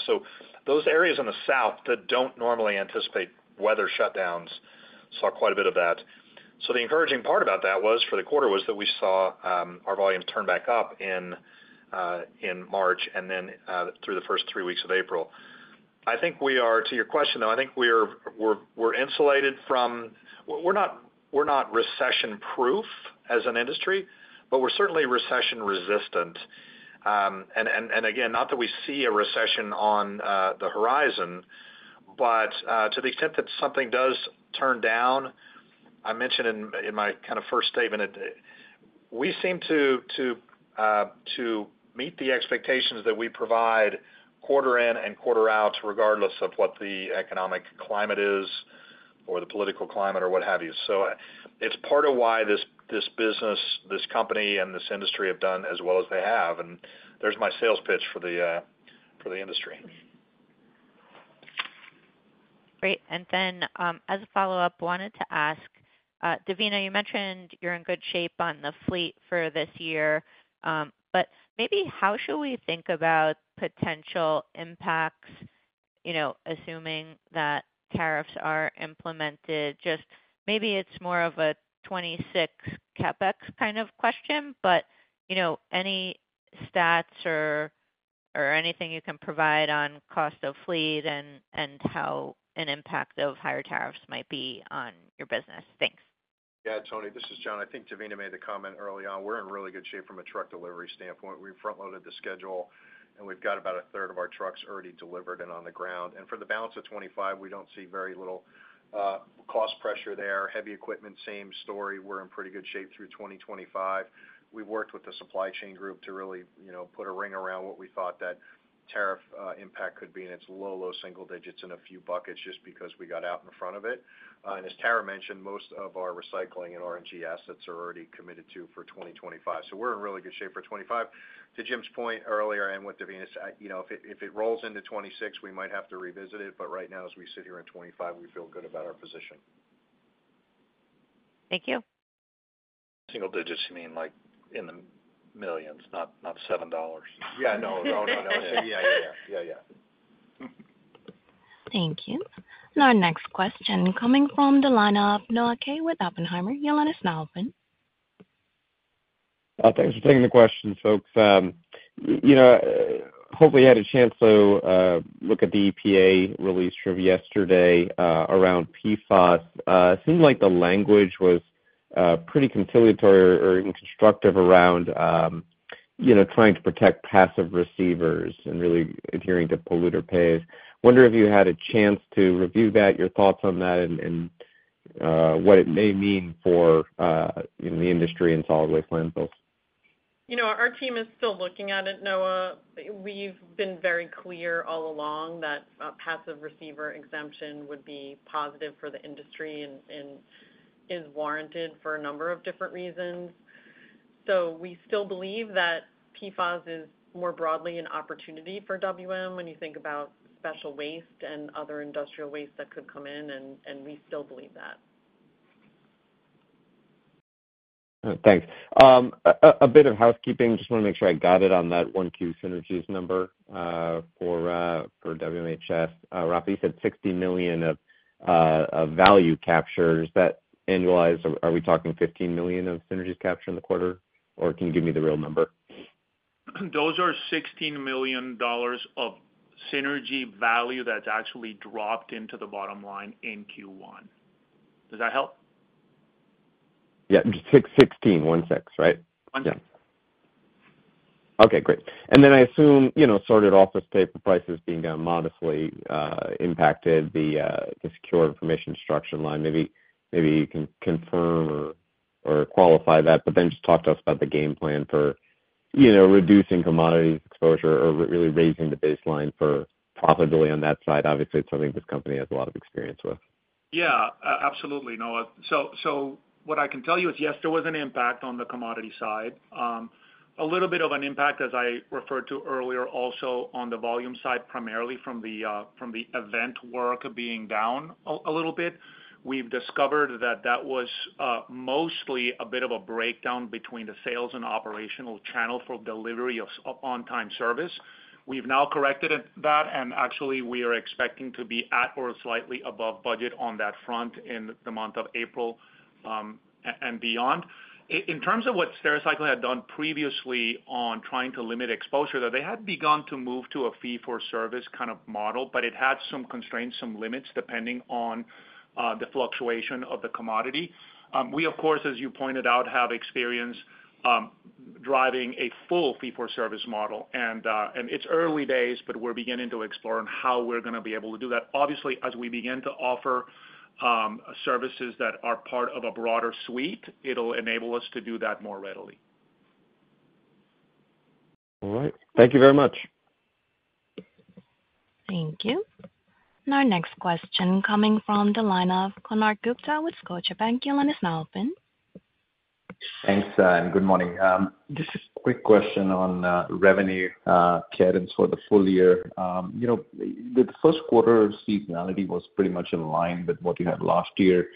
Those areas in the south that do not normally anticipate weather shutdowns saw quite a bit of that. The encouraging part about that was for the quarter was that we saw our volumes turn back up in March and then through the first three weeks of April. I think we are, to your question though, I think we're insulated from, we're not recession-proof as an industry, but we're certainly recession-resistant. Again, not that we see a recession on the horizon, but to the extent that something does turn down, I mentioned in my kind of first statement, we seem to meet the expectations that we provide quarter-in and quarter-out, regardless of what the economic climate is or the political climate or what have you. It is part of why this business, this company, and this industry have done as well as they have. There's my sales pitch for the industry. Great. As a follow-up, wanted to ask, Devina, you mentioned you're in good shape on the fleet for this year, but maybe how should we think about potential impacts, assuming that tariffs are implemented? Maybe it's more of a 2026 CapEx kind of question, but any stats or anything you can provide on cost of fleet and how an impact of higher tariffs might be on your business? Thanks. Yeah, Toni, this is John. I think Devina made the comment early on. We're in really good shape from a truck delivery standpoint. We've front-loaded the schedule, and we've got about a third of our trucks already delivered and on the ground. For the balance of 2025, we do not see very little cost pressure there. Heavy equipment, same story. We're in pretty good shape through 2025. We've worked with the supply chain group to really put a ring around what we thought that tariff impact could be, and it's low, low single digits in a few buckets just because we got out in front of it. As Tara mentioned, most of our recycling and RNG assets are already committed to for 2025. We're in really good shape for 2025. To Jim's point earlier and with Devina, if it rolls into 2026, we might have to revisit it. Right now, as we sit here in 2025, we feel good about our position. Thank you. Single digits, you mean like in the millions, not $7? Yeah, no, no, no. Yeah, yeah, yeah, yeah, yeah. Thank you. Our next question coming from the line of Noah Kaye with Oppenheimer. You'll let us know, open. Thanks for taking the question, folks. Hopefully, you had a chance to look at the EPA release from yesterday around PFAS. It seemed like the language was pretty conciliatory or even constructive around trying to protect passive receivers and really adhering to polluter pays. I wonder if you had a chance to review that, your thoughts on that, and what it may mean for the industry and solid waste landfills. Our team is still looking at it, Noah. We've been very clear all along that passive receiver exemption would be positive for the industry and is warranted for a number of different reasons. We still believe that PFAS is more broadly an opportunity for WM when you think about special waste and other industrial waste that could come in, and we still believe that. Thanks. A bit of housekeeping. Just want to make sure I got it on that one Q synergies number for WMHS. Rafa, you said $60 million of value capture. Is that annualized? Are we talking $15 million of synergies capture in the quarter, or can you give me the real number? Those are $16 million of synergy value that's actually dropped into the bottom line in Q1. Does that help? Yeah, 16, one six, right? One six. Okay, great. I assume sorted office paper prices being modestly impacted the secure information destruction line. Maybe you can confirm or qualify that, but then just talk to us about the game plan for reducing commodities exposure or really raising the baseline for profitability on that side. Obviously, it's something this company has a lot of experience with. Yeah, absolutely, Noah. What I can tell you is, yes, there was an impact on the commodity side. A little bit of an impact, as I referred to earlier, also on the volume side, primarily from the event work being down a little bit. We've discovered that that was mostly a bit of a breakdown between the sales and operational channel for delivery of on-time service. We've now corrected that, and actually, we are expecting to be at or slightly above budget on that front in the month of April and beyond. In terms of what Stericycle had done previously on trying to limit exposure, they had begun to move to a fee-for-service kind of model, but it had some constraints, some limits depending on the fluctuation of the commodity. We, of course, as you pointed out, have experience driving a full fee-for-service model. It is early days, but we're beginning to explore on how we're going to be able to do that. Obviously, as we begin to offer services that are part of a broader suite, it'll enable us to do that more readily. All right. Thank you very much. Thank you. Our next question coming from the line of Konark Gupta with Scotiabank. You'll let us know open. Thanks, and good morning. Just a quick question on revenue cadence for the full year. The Q1 seasonality was pretty much in line with what you had last year,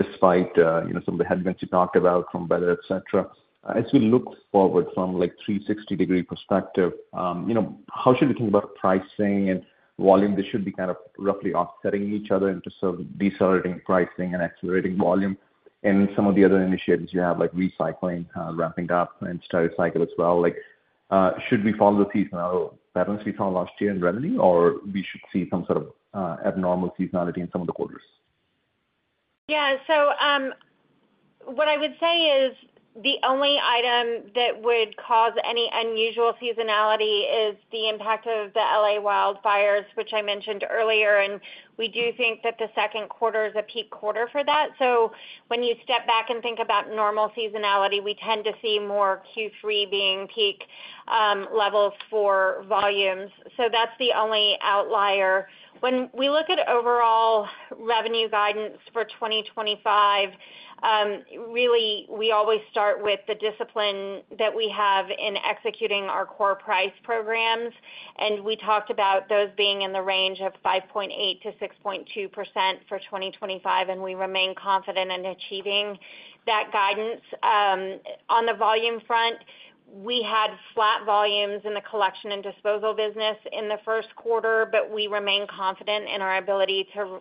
despite some of the headwinds you talked about from weather, etc. As we look forward from a 360-degree perspective, how should we think about pricing and volume? This should be kind of roughly offsetting each other into decelerating pricing and accelerating volume. Some of the other initiatives you have, like recycling, ramping up, and Stericycle as well, should we follow the seasonal patterns we saw last year in revenue, or should we see some sort of abnormal seasonality in some of the quarters? Yeah. What I would say is the only item that would cause any unusual seasonality is the impact of the LA wildfires, which I mentioned earlier. We do think that the Q2 is a peak quarter for that. When you step back and think about normal seasonality, we tend to see more Q3 being peak levels for volumes. That is the only outlier. When we look at overall revenue guidance for 2025, really, we always start with the discipline that we have in executing our core price programs. We talked about those being in the range of 5.8%-6.2% for 2025, and we remain confident in achieving that guidance. On the volume front, we had flat volumes in the collection and disposal business in the Q1, but we remain confident in our ability to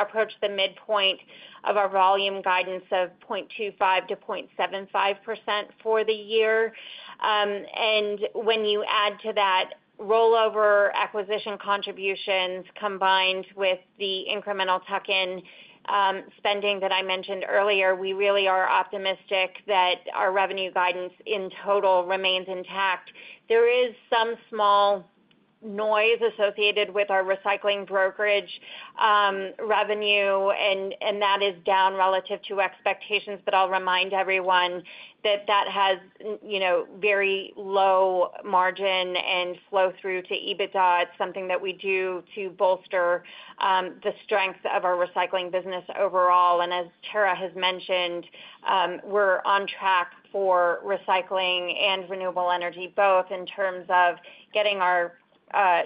approach the midpoint of our volume guidance of 0.25%-0.75% for the year. When you add to that rollover acquisition contributions combined with the incremental tuck-in spending that I mentioned earlier, we really are optimistic that our revenue guidance in total remains intact. There is some small noise associated with our recycling brokerage revenue, and that is down relative to expectations. I'll remind everyone that that has very low margin and flow-through to EBITDA. It's something that we do to bolster the strength of our recycling business overall. As Tara has mentioned, we're on track for recycling and renewable energy, both in terms of getting our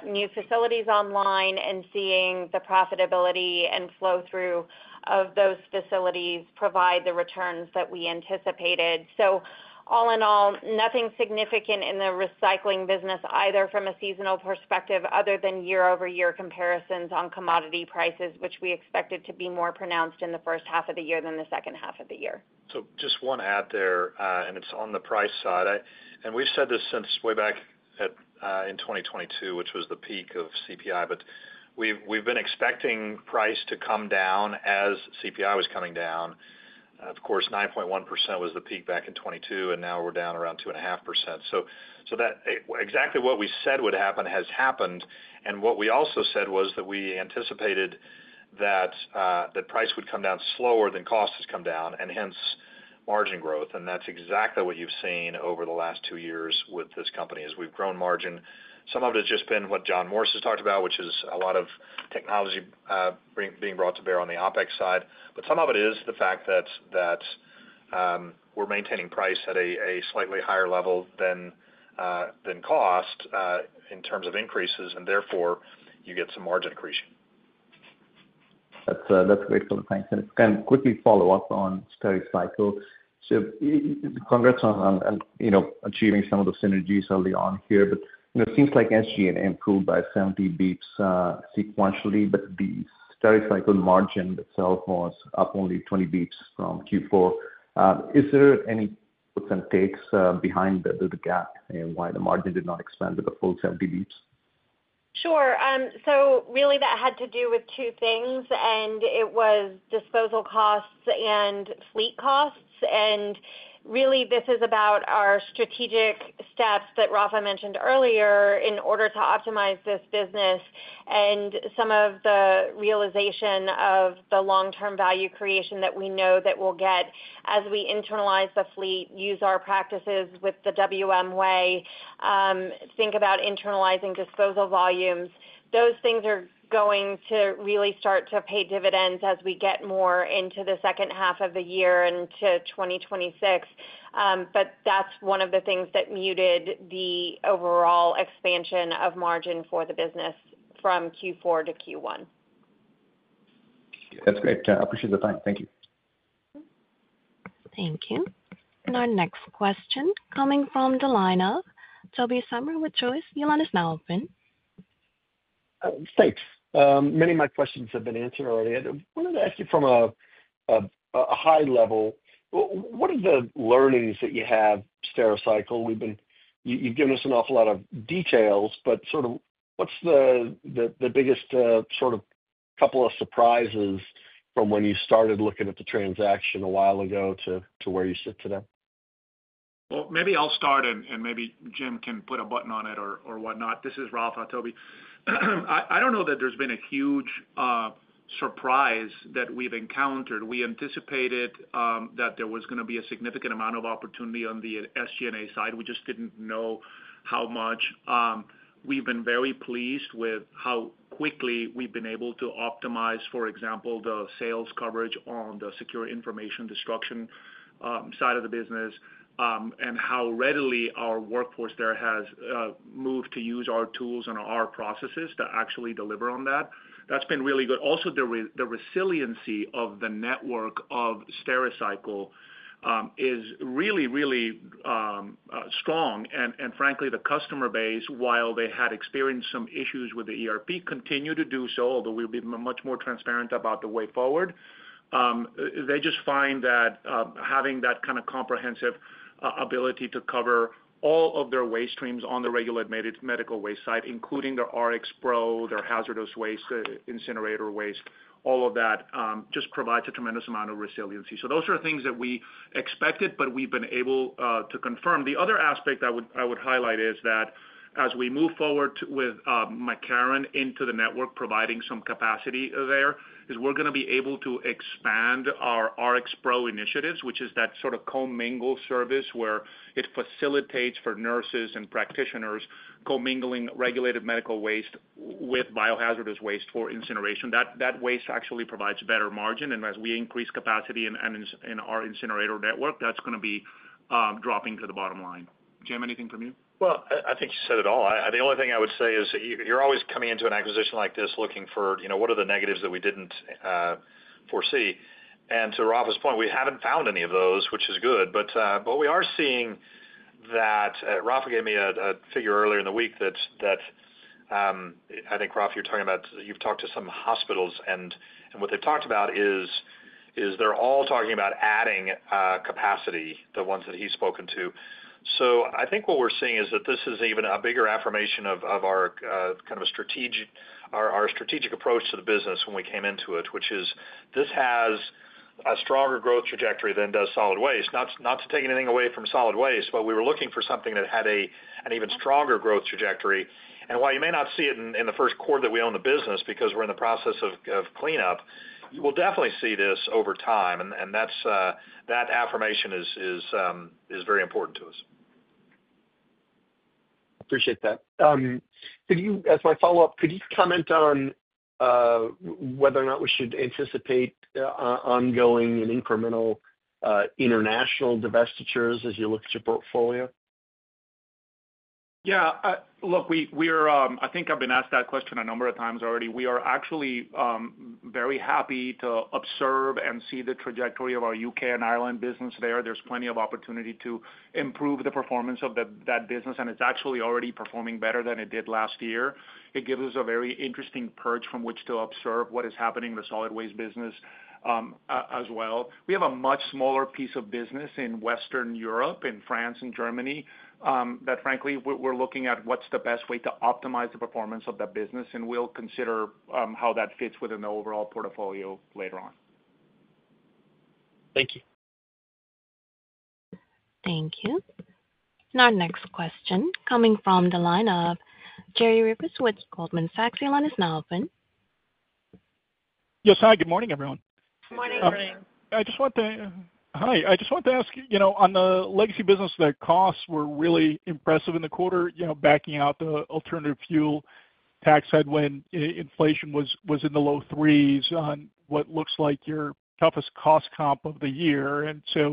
new facilities online and seeing the profitability and flow-through of those facilities provide the returns that we anticipated. All in all, nothing significant in the recycling business, either from a seasonal perspective other than year-over-year comparisons on commodity prices, which we expected to be more pronounced in the first half of the year than the second half of the year. Just one add there, and it's on the price side. We've said this since way back in 2022, which was the peak of CPI, but we've been expecting price to come down as CPI was coming down. Of course, 9.1% was the peak back in 2022, and now we're down around 2.5%. Exactly what we said would happen has happened. What we also said was that we anticipated that price would come down slower than cost has come down, and hence margin growth. That's exactly what you've seen over the last two years with this company as we've grown margin. Some of it has just been what John Morris has talked about, which is a lot of technology being brought to bear on the OPEX side. Some of it is the fact that we're maintaining price at a slightly higher level than cost in terms of increases, and therefore, you get some margin accretion. That's great for the banks. Kind of quickly follow-up on Stericycle. Congrats on achieving some of the synergies early on here, but it seems like SG&A improved by 70 basis points sequentially, but the Stericycle margin itself was up only 20 basis points from Q4. Is there any puts and takes behind the gap and why the margin did not expand to the full 70 basis points? Sure. That had to do with two things, and it was disposal costs and fleet costs. This is about our strategic steps that Rafa mentioned earlier in order to optimize this business and some of the realization of the long-term value creation that we know that we'll get as we internalize the fleet, use our practices with the WM way, think about internalizing disposal volumes. Those things are going to really start to pay dividends as we get more into the second half of the year into 2026. That is one of the things that muted the overall expansion of margin for the business from Q4 to Q1. That's great. I appreciate the time. Thank you. Thank you. Our next question is coming from the line of Tobey Sommer with Truist. You may let us know when open. Thanks. Many of my questions have been answered already. I wanted to ask you from a high level, what are the learnings that you have, Stericycle? You've given us an awful lot of details, but sort of what's the biggest sort of couple of surprises from when you started looking at the transaction a while ago to where you sit today? Maybe I'll start, and maybe Jim can put a button on it or what not. This is Rafa, Tobey. I don't know that there's been a huge surprise that we've encountered. We anticipated that there was going to be a significant amount of opportunity on the SG&A side. We just didn't know how much. We've been very pleased with how quickly we've been able to optimize, for example, the sales coverage on the secure information destruction side of the business and how readily our workforce there has moved to use our tools and our processes to actually deliver on that. That's been really good. Also, the resiliency of the network of Stericycle is really, really strong. Frankly, the customer base, while they had experienced some issues with the ERP, continue to do so, although we'll be much more transparent about the way forward. They just find that having that kind of comprehensive ability to cover all of their waste streams on the regular medical waste side, including their RxPro, their hazardous waste, incinerator waste, all of that just provides a tremendous amount of resiliency. Those are things that we expected, but we've been able to confirm. The other aspect I would highlight is that as we move forward with McCarran into the network, providing some capacity there, we're going to be able to expand our RxPro initiatives, which is that sort of co-mingle service where it facilitates for nurses and practitioners co-mingling regulated medical waste with biohazardous waste for incineration. That waste actually provides better margin. As we increase capacity in our incinerator network, that's going to be dropping to the bottom line. Jim, anything from you? I think you said it all. The only thing I would say is you're always coming into an acquisition like this looking for what are the negatives that we didn't foresee. To Rafa's point, we haven't found any of those, which is good. What we are seeing is that Rafa gave me a figure earlier in the week that I think, Rafa, you're talking about you've talked to some hospitals, and what they've talked about is they're all talking about adding capacity, the ones that he's spoken to. I think what we're seeing is that this is even a bigger affirmation of our kind of strategic approach to the business when we came into it, which is this has a stronger growth trajectory than does solid waste. Not to take anything away from solid waste, but we were looking for something that had an even stronger growth trajectory. While you may not see it in the Q1 that we own the business because we're in the process of cleanup, you will definitely see this over time. That affirmation is very important to us. Appreciate that. As my follow-up, could you comment on whether or not we should anticipate ongoing and incremental international divestitures as you look at your portfolio? Yeah. Look, I think I've been asked that question a number of times already. We are actually very happy to observe and see the trajectory of our U.K. and Ireland business there. There's plenty of opportunity to improve the performance of that business, and it's actually already performing better than it did last year. It gives us a very interesting perch from which to observe what is happening in the solid waste business as well. We have a much smaller piece of business in Western Europe, in France, in Germany, that frankly, we're looking at what's the best way to optimize the performance of that business, and we'll consider how that fits within the overall portfolio later on. Thank you. Thank you. Our next question coming from the line of Jerry Revich with Goldman Sachs. You'll let us know, open. Yes. Hi. Good morning, everyone. Good morning. Hi. I just want to ask, on the legacy business, the costs were really impressive in the quarter, backing out the alternative fuel tax headwind. Inflation was in the low threes on what looks like your toughest cost comp of the year. Is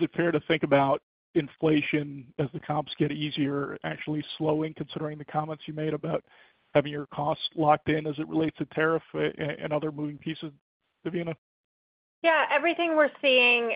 it fair to think about inflation as the comps get easier actually slowing, considering the comments you made about having your costs locked in as it relates to tariff and other moving pieces, Devina? Yeah. Everything we're seeing,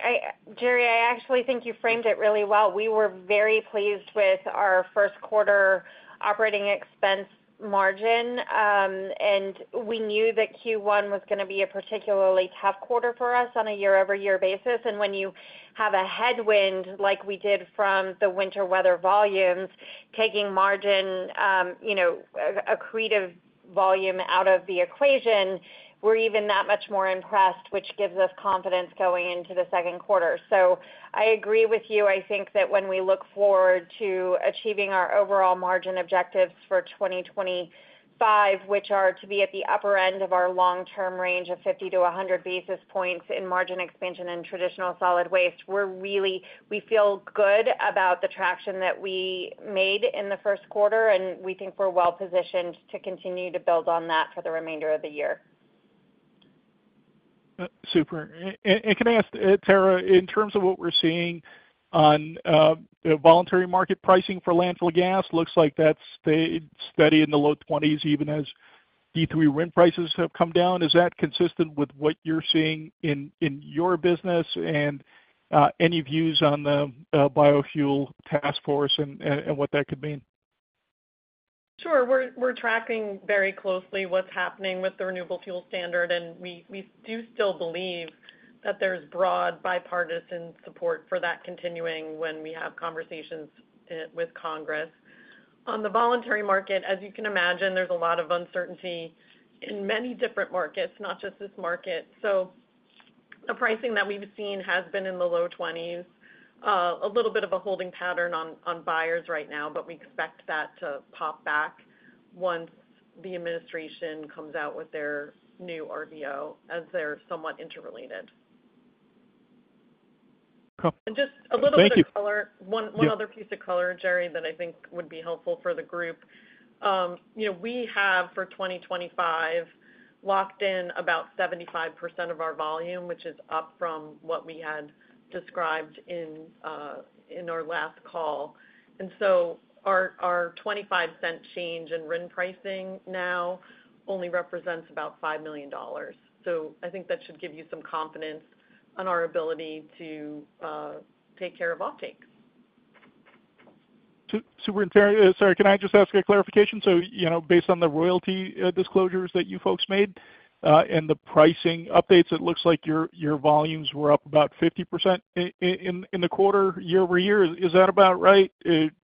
Jerry, I actually think you framed it really well. We were very pleased with our Q1 operating expense margin, and we knew that Q1 was going to be a particularly tough quarter for us on a year-over-year basis. When you have a headwind like we did from the winter weather volumes, taking margin, accretive volume out of the equation, we're even that much more impressed, which gives us confidence going into the Q2. I agree with you. I think that when we look forward to achieving our overall margin objectives for 2025, which are to be at the upper end of our long-term range of 50 to 100 basis points in margin expansion in traditional solid waste, we feel good about the traction that we made in the Q1, and we think we're well positioned to continue to build on that for the remainder of the year. Super. Can I ask, Tara, in terms of what we're seeing on voluntary market pricing for landfill gas, looks like that's steady in the low 20s even as D3 RIN prices have come down. Is that consistent with what you're seeing in your business and any views on the biofuel task force and what that could mean? Sure. We're tracking very closely what's happening with the renewable fuel standard, and we do still believe that there's broad bipartisan support for that continuing when we have conversations with Congress. On the voluntary market, as you can imagine, there's a lot of uncertainty in many different markets, not just this market. The pricing that we've seen has been in the low 20s, a little bit of a holding pattern on buyers right now, but we expect that to pop back once the administration comes out with their new RVO as they're somewhat interrelated. Just a little bit of color. Thank you. One other piece of color, Jerry, that I think would be helpful for the group. We have, for 2025, locked in about 75% of our volume, which is up from what we had described in our last call. Our $0.25 change in RIN pricing now only represents about $5 million. I think that should give you some confidence on our ability to take care of off-takes. Sorry, can I just ask a clarification? Based on the royalty disclosures that you folks made and the pricing updates, it looks like your volumes were up about 50% in the quarter year-over-year. Is that about right?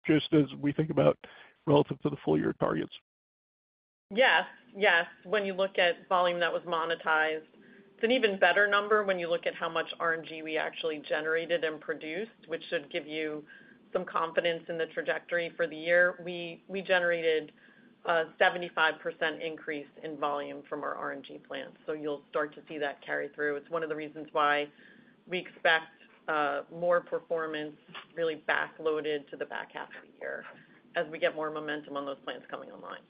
Just as we think about relative to the full-year targets. Yes. Yes. When you look at volume that was monetized, it's an even better number when you look at how much RNG we actually generated and produced, which should give you some confidence in the trajectory for the year. We generated a 75% increase in volume from our RNG plants. You will start to see that carry through. It's one of the reasons why we expect more performance really backloaded to the back half of the year as we get more momentum on those plants coming online.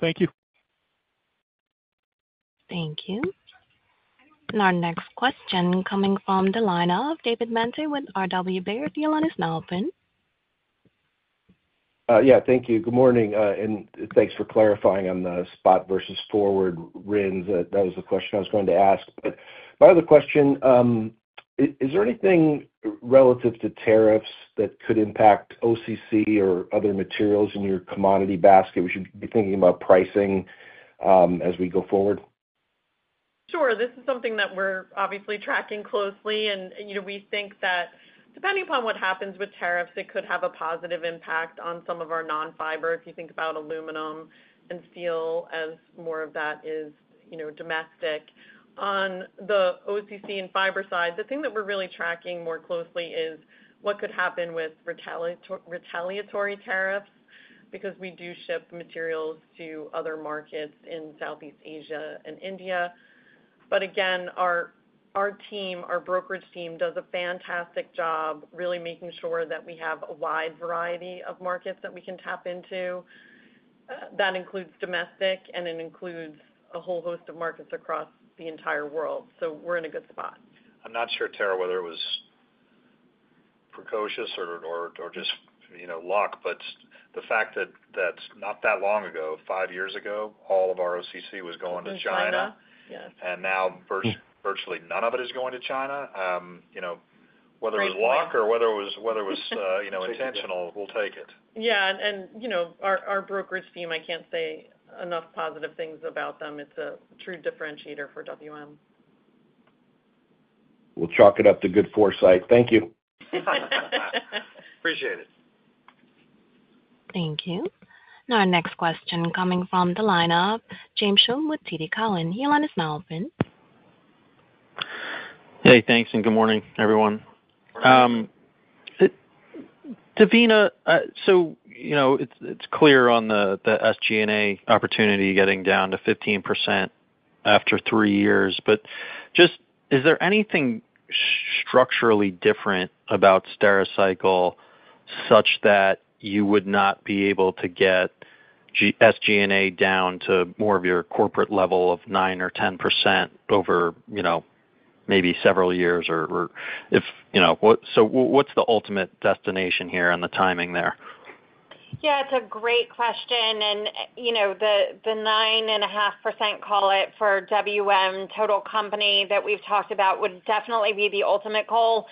Thank you. Thank you. Our next question coming from the line of David Manthey with RW Baird. You'll let us know, open. Yeah. Thank you. Good morning. Thank you for clarifying on the spot versus forward RINs. That was the question I was going to ask. My other question, is there anything relative to tariffs that could impact OCC or other materials in your commodity basket? We should be thinking about pricing as we go forward. Sure. This is something that we're obviously tracking closely. We think that depending upon what happens with tariffs, it could have a positive impact on some of our non-fiber. If you think about aluminum and steel as more of that is domestic. On the OCC and fiber side, the thing that we're really tracking more closely is what could happen with retaliatory tariffs because we do ship materials to other markets in Southeast Asia and India. Again, our team, our brokerage team, does a fantastic job really making sure that we have a wide variety of markets that we can tap into. That includes domestic, and it includes a whole host of markets across the entire world. We are in a good spot. I'm not sure, Tara, whether it was precocious or just luck, but the fact that not that long ago, five years ago, all of our OCC was going to China. To China. Yes. Virtually none of it is going to China. Whether it was luck or whether it was intentional, we'll take it. Yeah. Our brokerage team, I can't say enough positive things about them. It's a true differentiator for WM. We'll chalk it up to good foresight. Thank you. Appreciate it. Thank you. Our next question coming from the line of James Schumm with TD Cowen. You'll let us know open. Hey, thanks, and good morning, everyone. Devina, so it's clear on the SG&A opportunity getting down to 15% after three years. Is there anything structurally different about Stericycle such that you would not be able to get SG&A down to more of your corporate level of 9% or 10% over maybe several years? What's the ultimate destination here and the timing there? Yeah. It's a great question. The 9.5% call it for WM Total Company that we've talked about would definitely be the ultimate goal.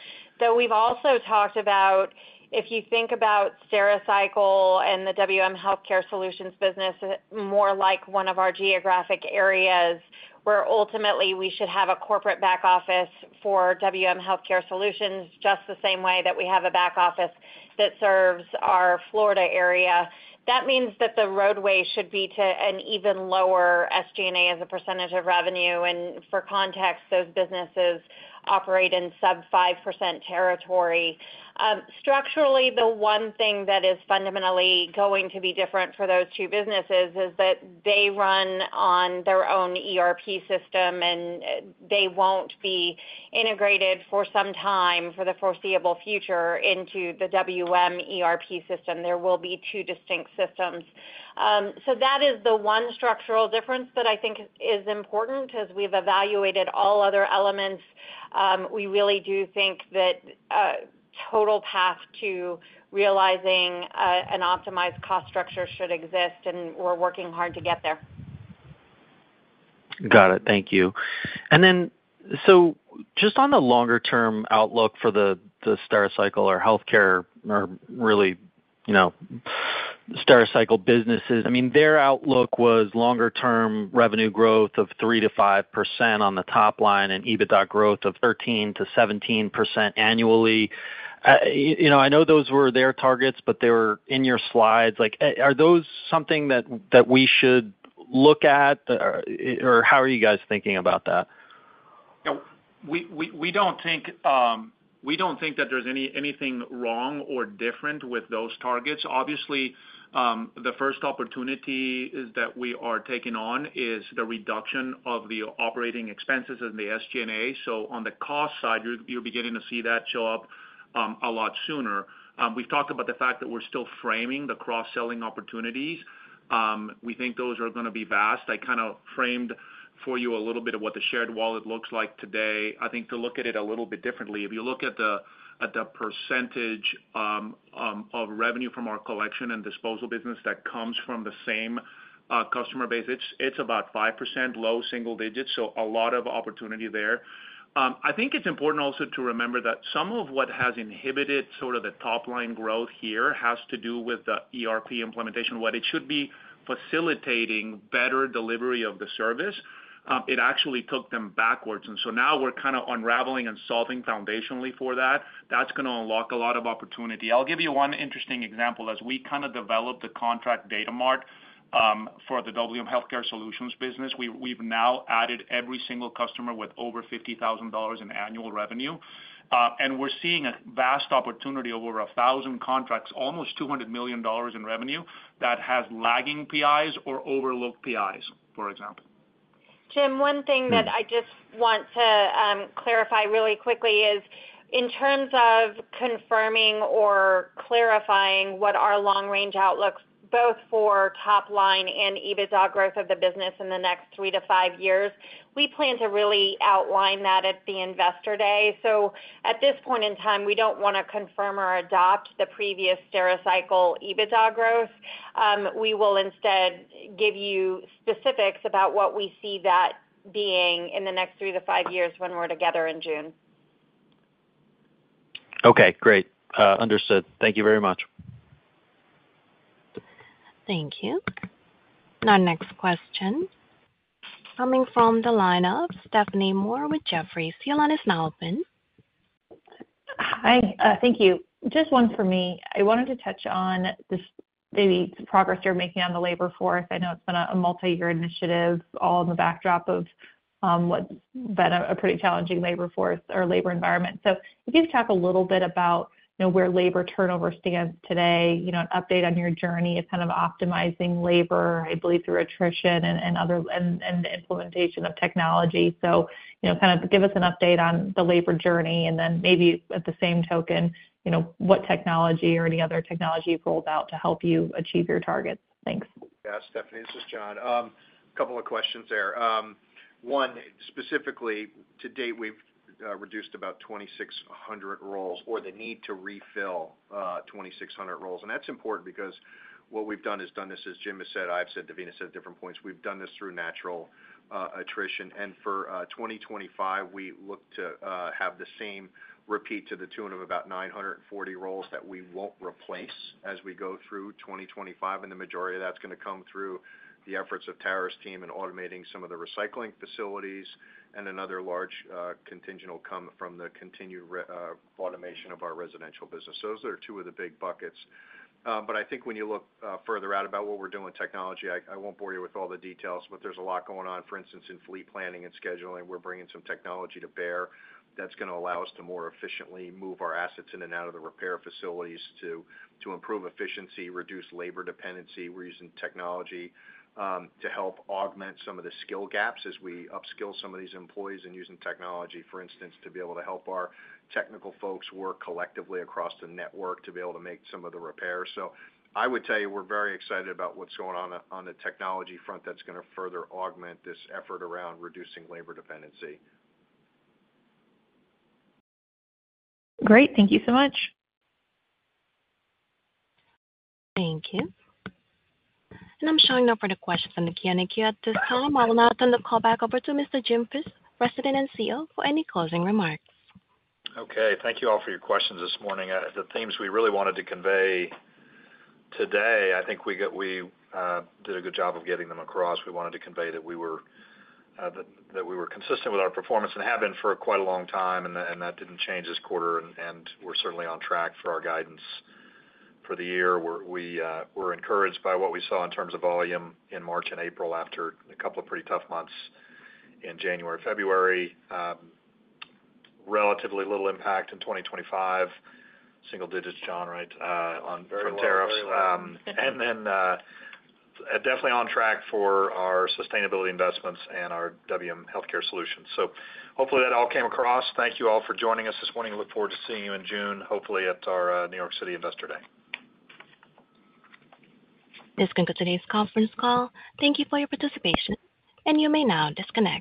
We've also talked about if you think about Stericycle and the WM Healthcare Solutions business more like one of our geographic areas where ultimately we should have a corporate back office for WM Healthcare Solutions just the same way that we have a back office that serves our Florida area. That means that the roadway should be to an even lower SG&A as a percentage of revenue. For context, those businesses operate in sub-5% territory. Structurally, the one thing that is fundamentally going to be different for those two businesses is that they run on their own ERP system, and they won't be integrated for some time for the foreseeable future into the WM ERP system. There will be two distinct systems. That is the one structural difference that I think is important. As we've evaluated all other elements, we really do think that total path to realizing an optimized cost structure should exist, and we're working hard to get there. Got it. Thank you. Just on the longer-term outlook for the Stericycle or healthcare or really Stericycle businesses, I mean, their outlook was longer-term revenue growth of 3-5% on the top line and EBITDA growth of 13-17% annually. I know those were their targets, but they were in your slides. Are those something that we should look at, or how are you guys thinking about that? We do not think that there is anything wrong or different with those targets. Obviously, the first opportunity that we are taking on is the reduction of the operating expenses and the SG&A. On the cost side, you will be getting to see that show up a lot sooner. We have talked about the fact that we are still framing the cross-selling opportunities. We think those are going to be vast. I kind of framed for you a little bit of what the shared wallet looks like today. I think to look at it a little bit differently, if you look at the percentage of revenue from our collection and disposal business that comes from the same customer base, it is about 5%, low single digits. A lot of opportunity there. I think it's important also to remember that some of what has inhibited sort of the top-line growth here has to do with the ERP implementation. While it should be facilitating better delivery of the service, it actually took them backwards. Now we're kind of unraveling and solving foundationally for that. That's going to unlock a lot of opportunity. I'll give you one interesting example. As we kind of develop the contract data mart for the WM Healthcare Solutions business, we've now added every single customer with over $50,000 in annual revenue. We're seeing a vast opportunity, over 1,000 contracts, almost $200 million in revenue that has lagging PIs or overlooked PIs, for example. Jim, one thing that I just want to clarify really quickly is in terms of confirming or clarifying what our long-range outlook, both for top-line and EBITDA growth of the business in the next three to five years, we plan to really outline that at the investor day. At this point in time, we do not want to confirm or adopt the previous Stericycle EBITDA growth. We will instead give you specifics about what we see that being in the next three to five years when we are together in June. Okay. Great. Understood. Thank you very much. Thank you. Our next question coming from the line of Stephanie Moore with Jefferies. You'll let us know open. Hi. Thank you. Just one for me. I wanted to touch on maybe the progress you're making on the labor force. I know it's been a multi-year initiative all in the backdrop of what's been a pretty challenging labor force or labor environment. If you could talk a little bit about where labor turnover stands today, an update on your journey of kind of optimizing labor, I believe, through attrition and the implementation of technology. Kind of give us an update on the labor journey, and then maybe at the same token, what technology or any other technology you've rolled out to help you achieve your targets. Thanks. Yeah. Stephanie, this is John. A couple of questions there. One, specifically, to date, we've reduced about 2,600 roles or the need to refill 2,600 roles. That's important because what we've done is done this, as Jim has said, I've said, Devina said at different points. We've done this through natural attrition. For 2025, we look to have the same repeat to the tune of about 940 roles that we won't replace as we go through 2025. The majority of that's going to come through the efforts of the Tara's team and automating some of the recycling facilities. Another large contingent will come from the continued automation of our residential business. Those are two of the big buckets. I think when you look further out about what we're doing with technology, I won't bore you with all the details, but there's a lot going on. For instance, in fleet planning and scheduling, we're bringing some technology to bear that's going to allow us to more efficiently move our assets in and out of the repair facilities to improve efficiency, reduce labor dependency. We're using technology to help augment some of the skill gaps as we upskill some of these employees and using technology, for instance, to be able to help our technical folks work collectively across the network to be able to make some of the repairs. I would tell you we're very excited about what's going on on the technology front that's going to further augment this effort around reducing labor dependency. Great. Thank you so much. Thank you. I am showing no further questions on the Q&A queue at this time. I will now turn the call back over to Mr. Jim Fish, President and CEO, for any closing remarks. Okay. Thank you all for your questions this morning. The themes we really wanted to convey today, I think we did a good job of getting them across. We wanted to convey that we were consistent with our performance and have been for quite a long time, and that did not change this quarter. We are certainly on track for our guidance for the year. We were encouraged by what we saw in terms of volume in March and April after a couple of pretty tough months in January and February. Relatively little impact in 2025. Single digits, John, right, on tariffs. We are definitely on track for our sustainability investments and our WM Healthcare Solutions. Hopefully that all came across. Thank you all for joining us this morning. Look forward to seeing you in June, hopefully at our New York City Investor Day. This concludes today's conference call. Thank you for your participation. You may now disconnect.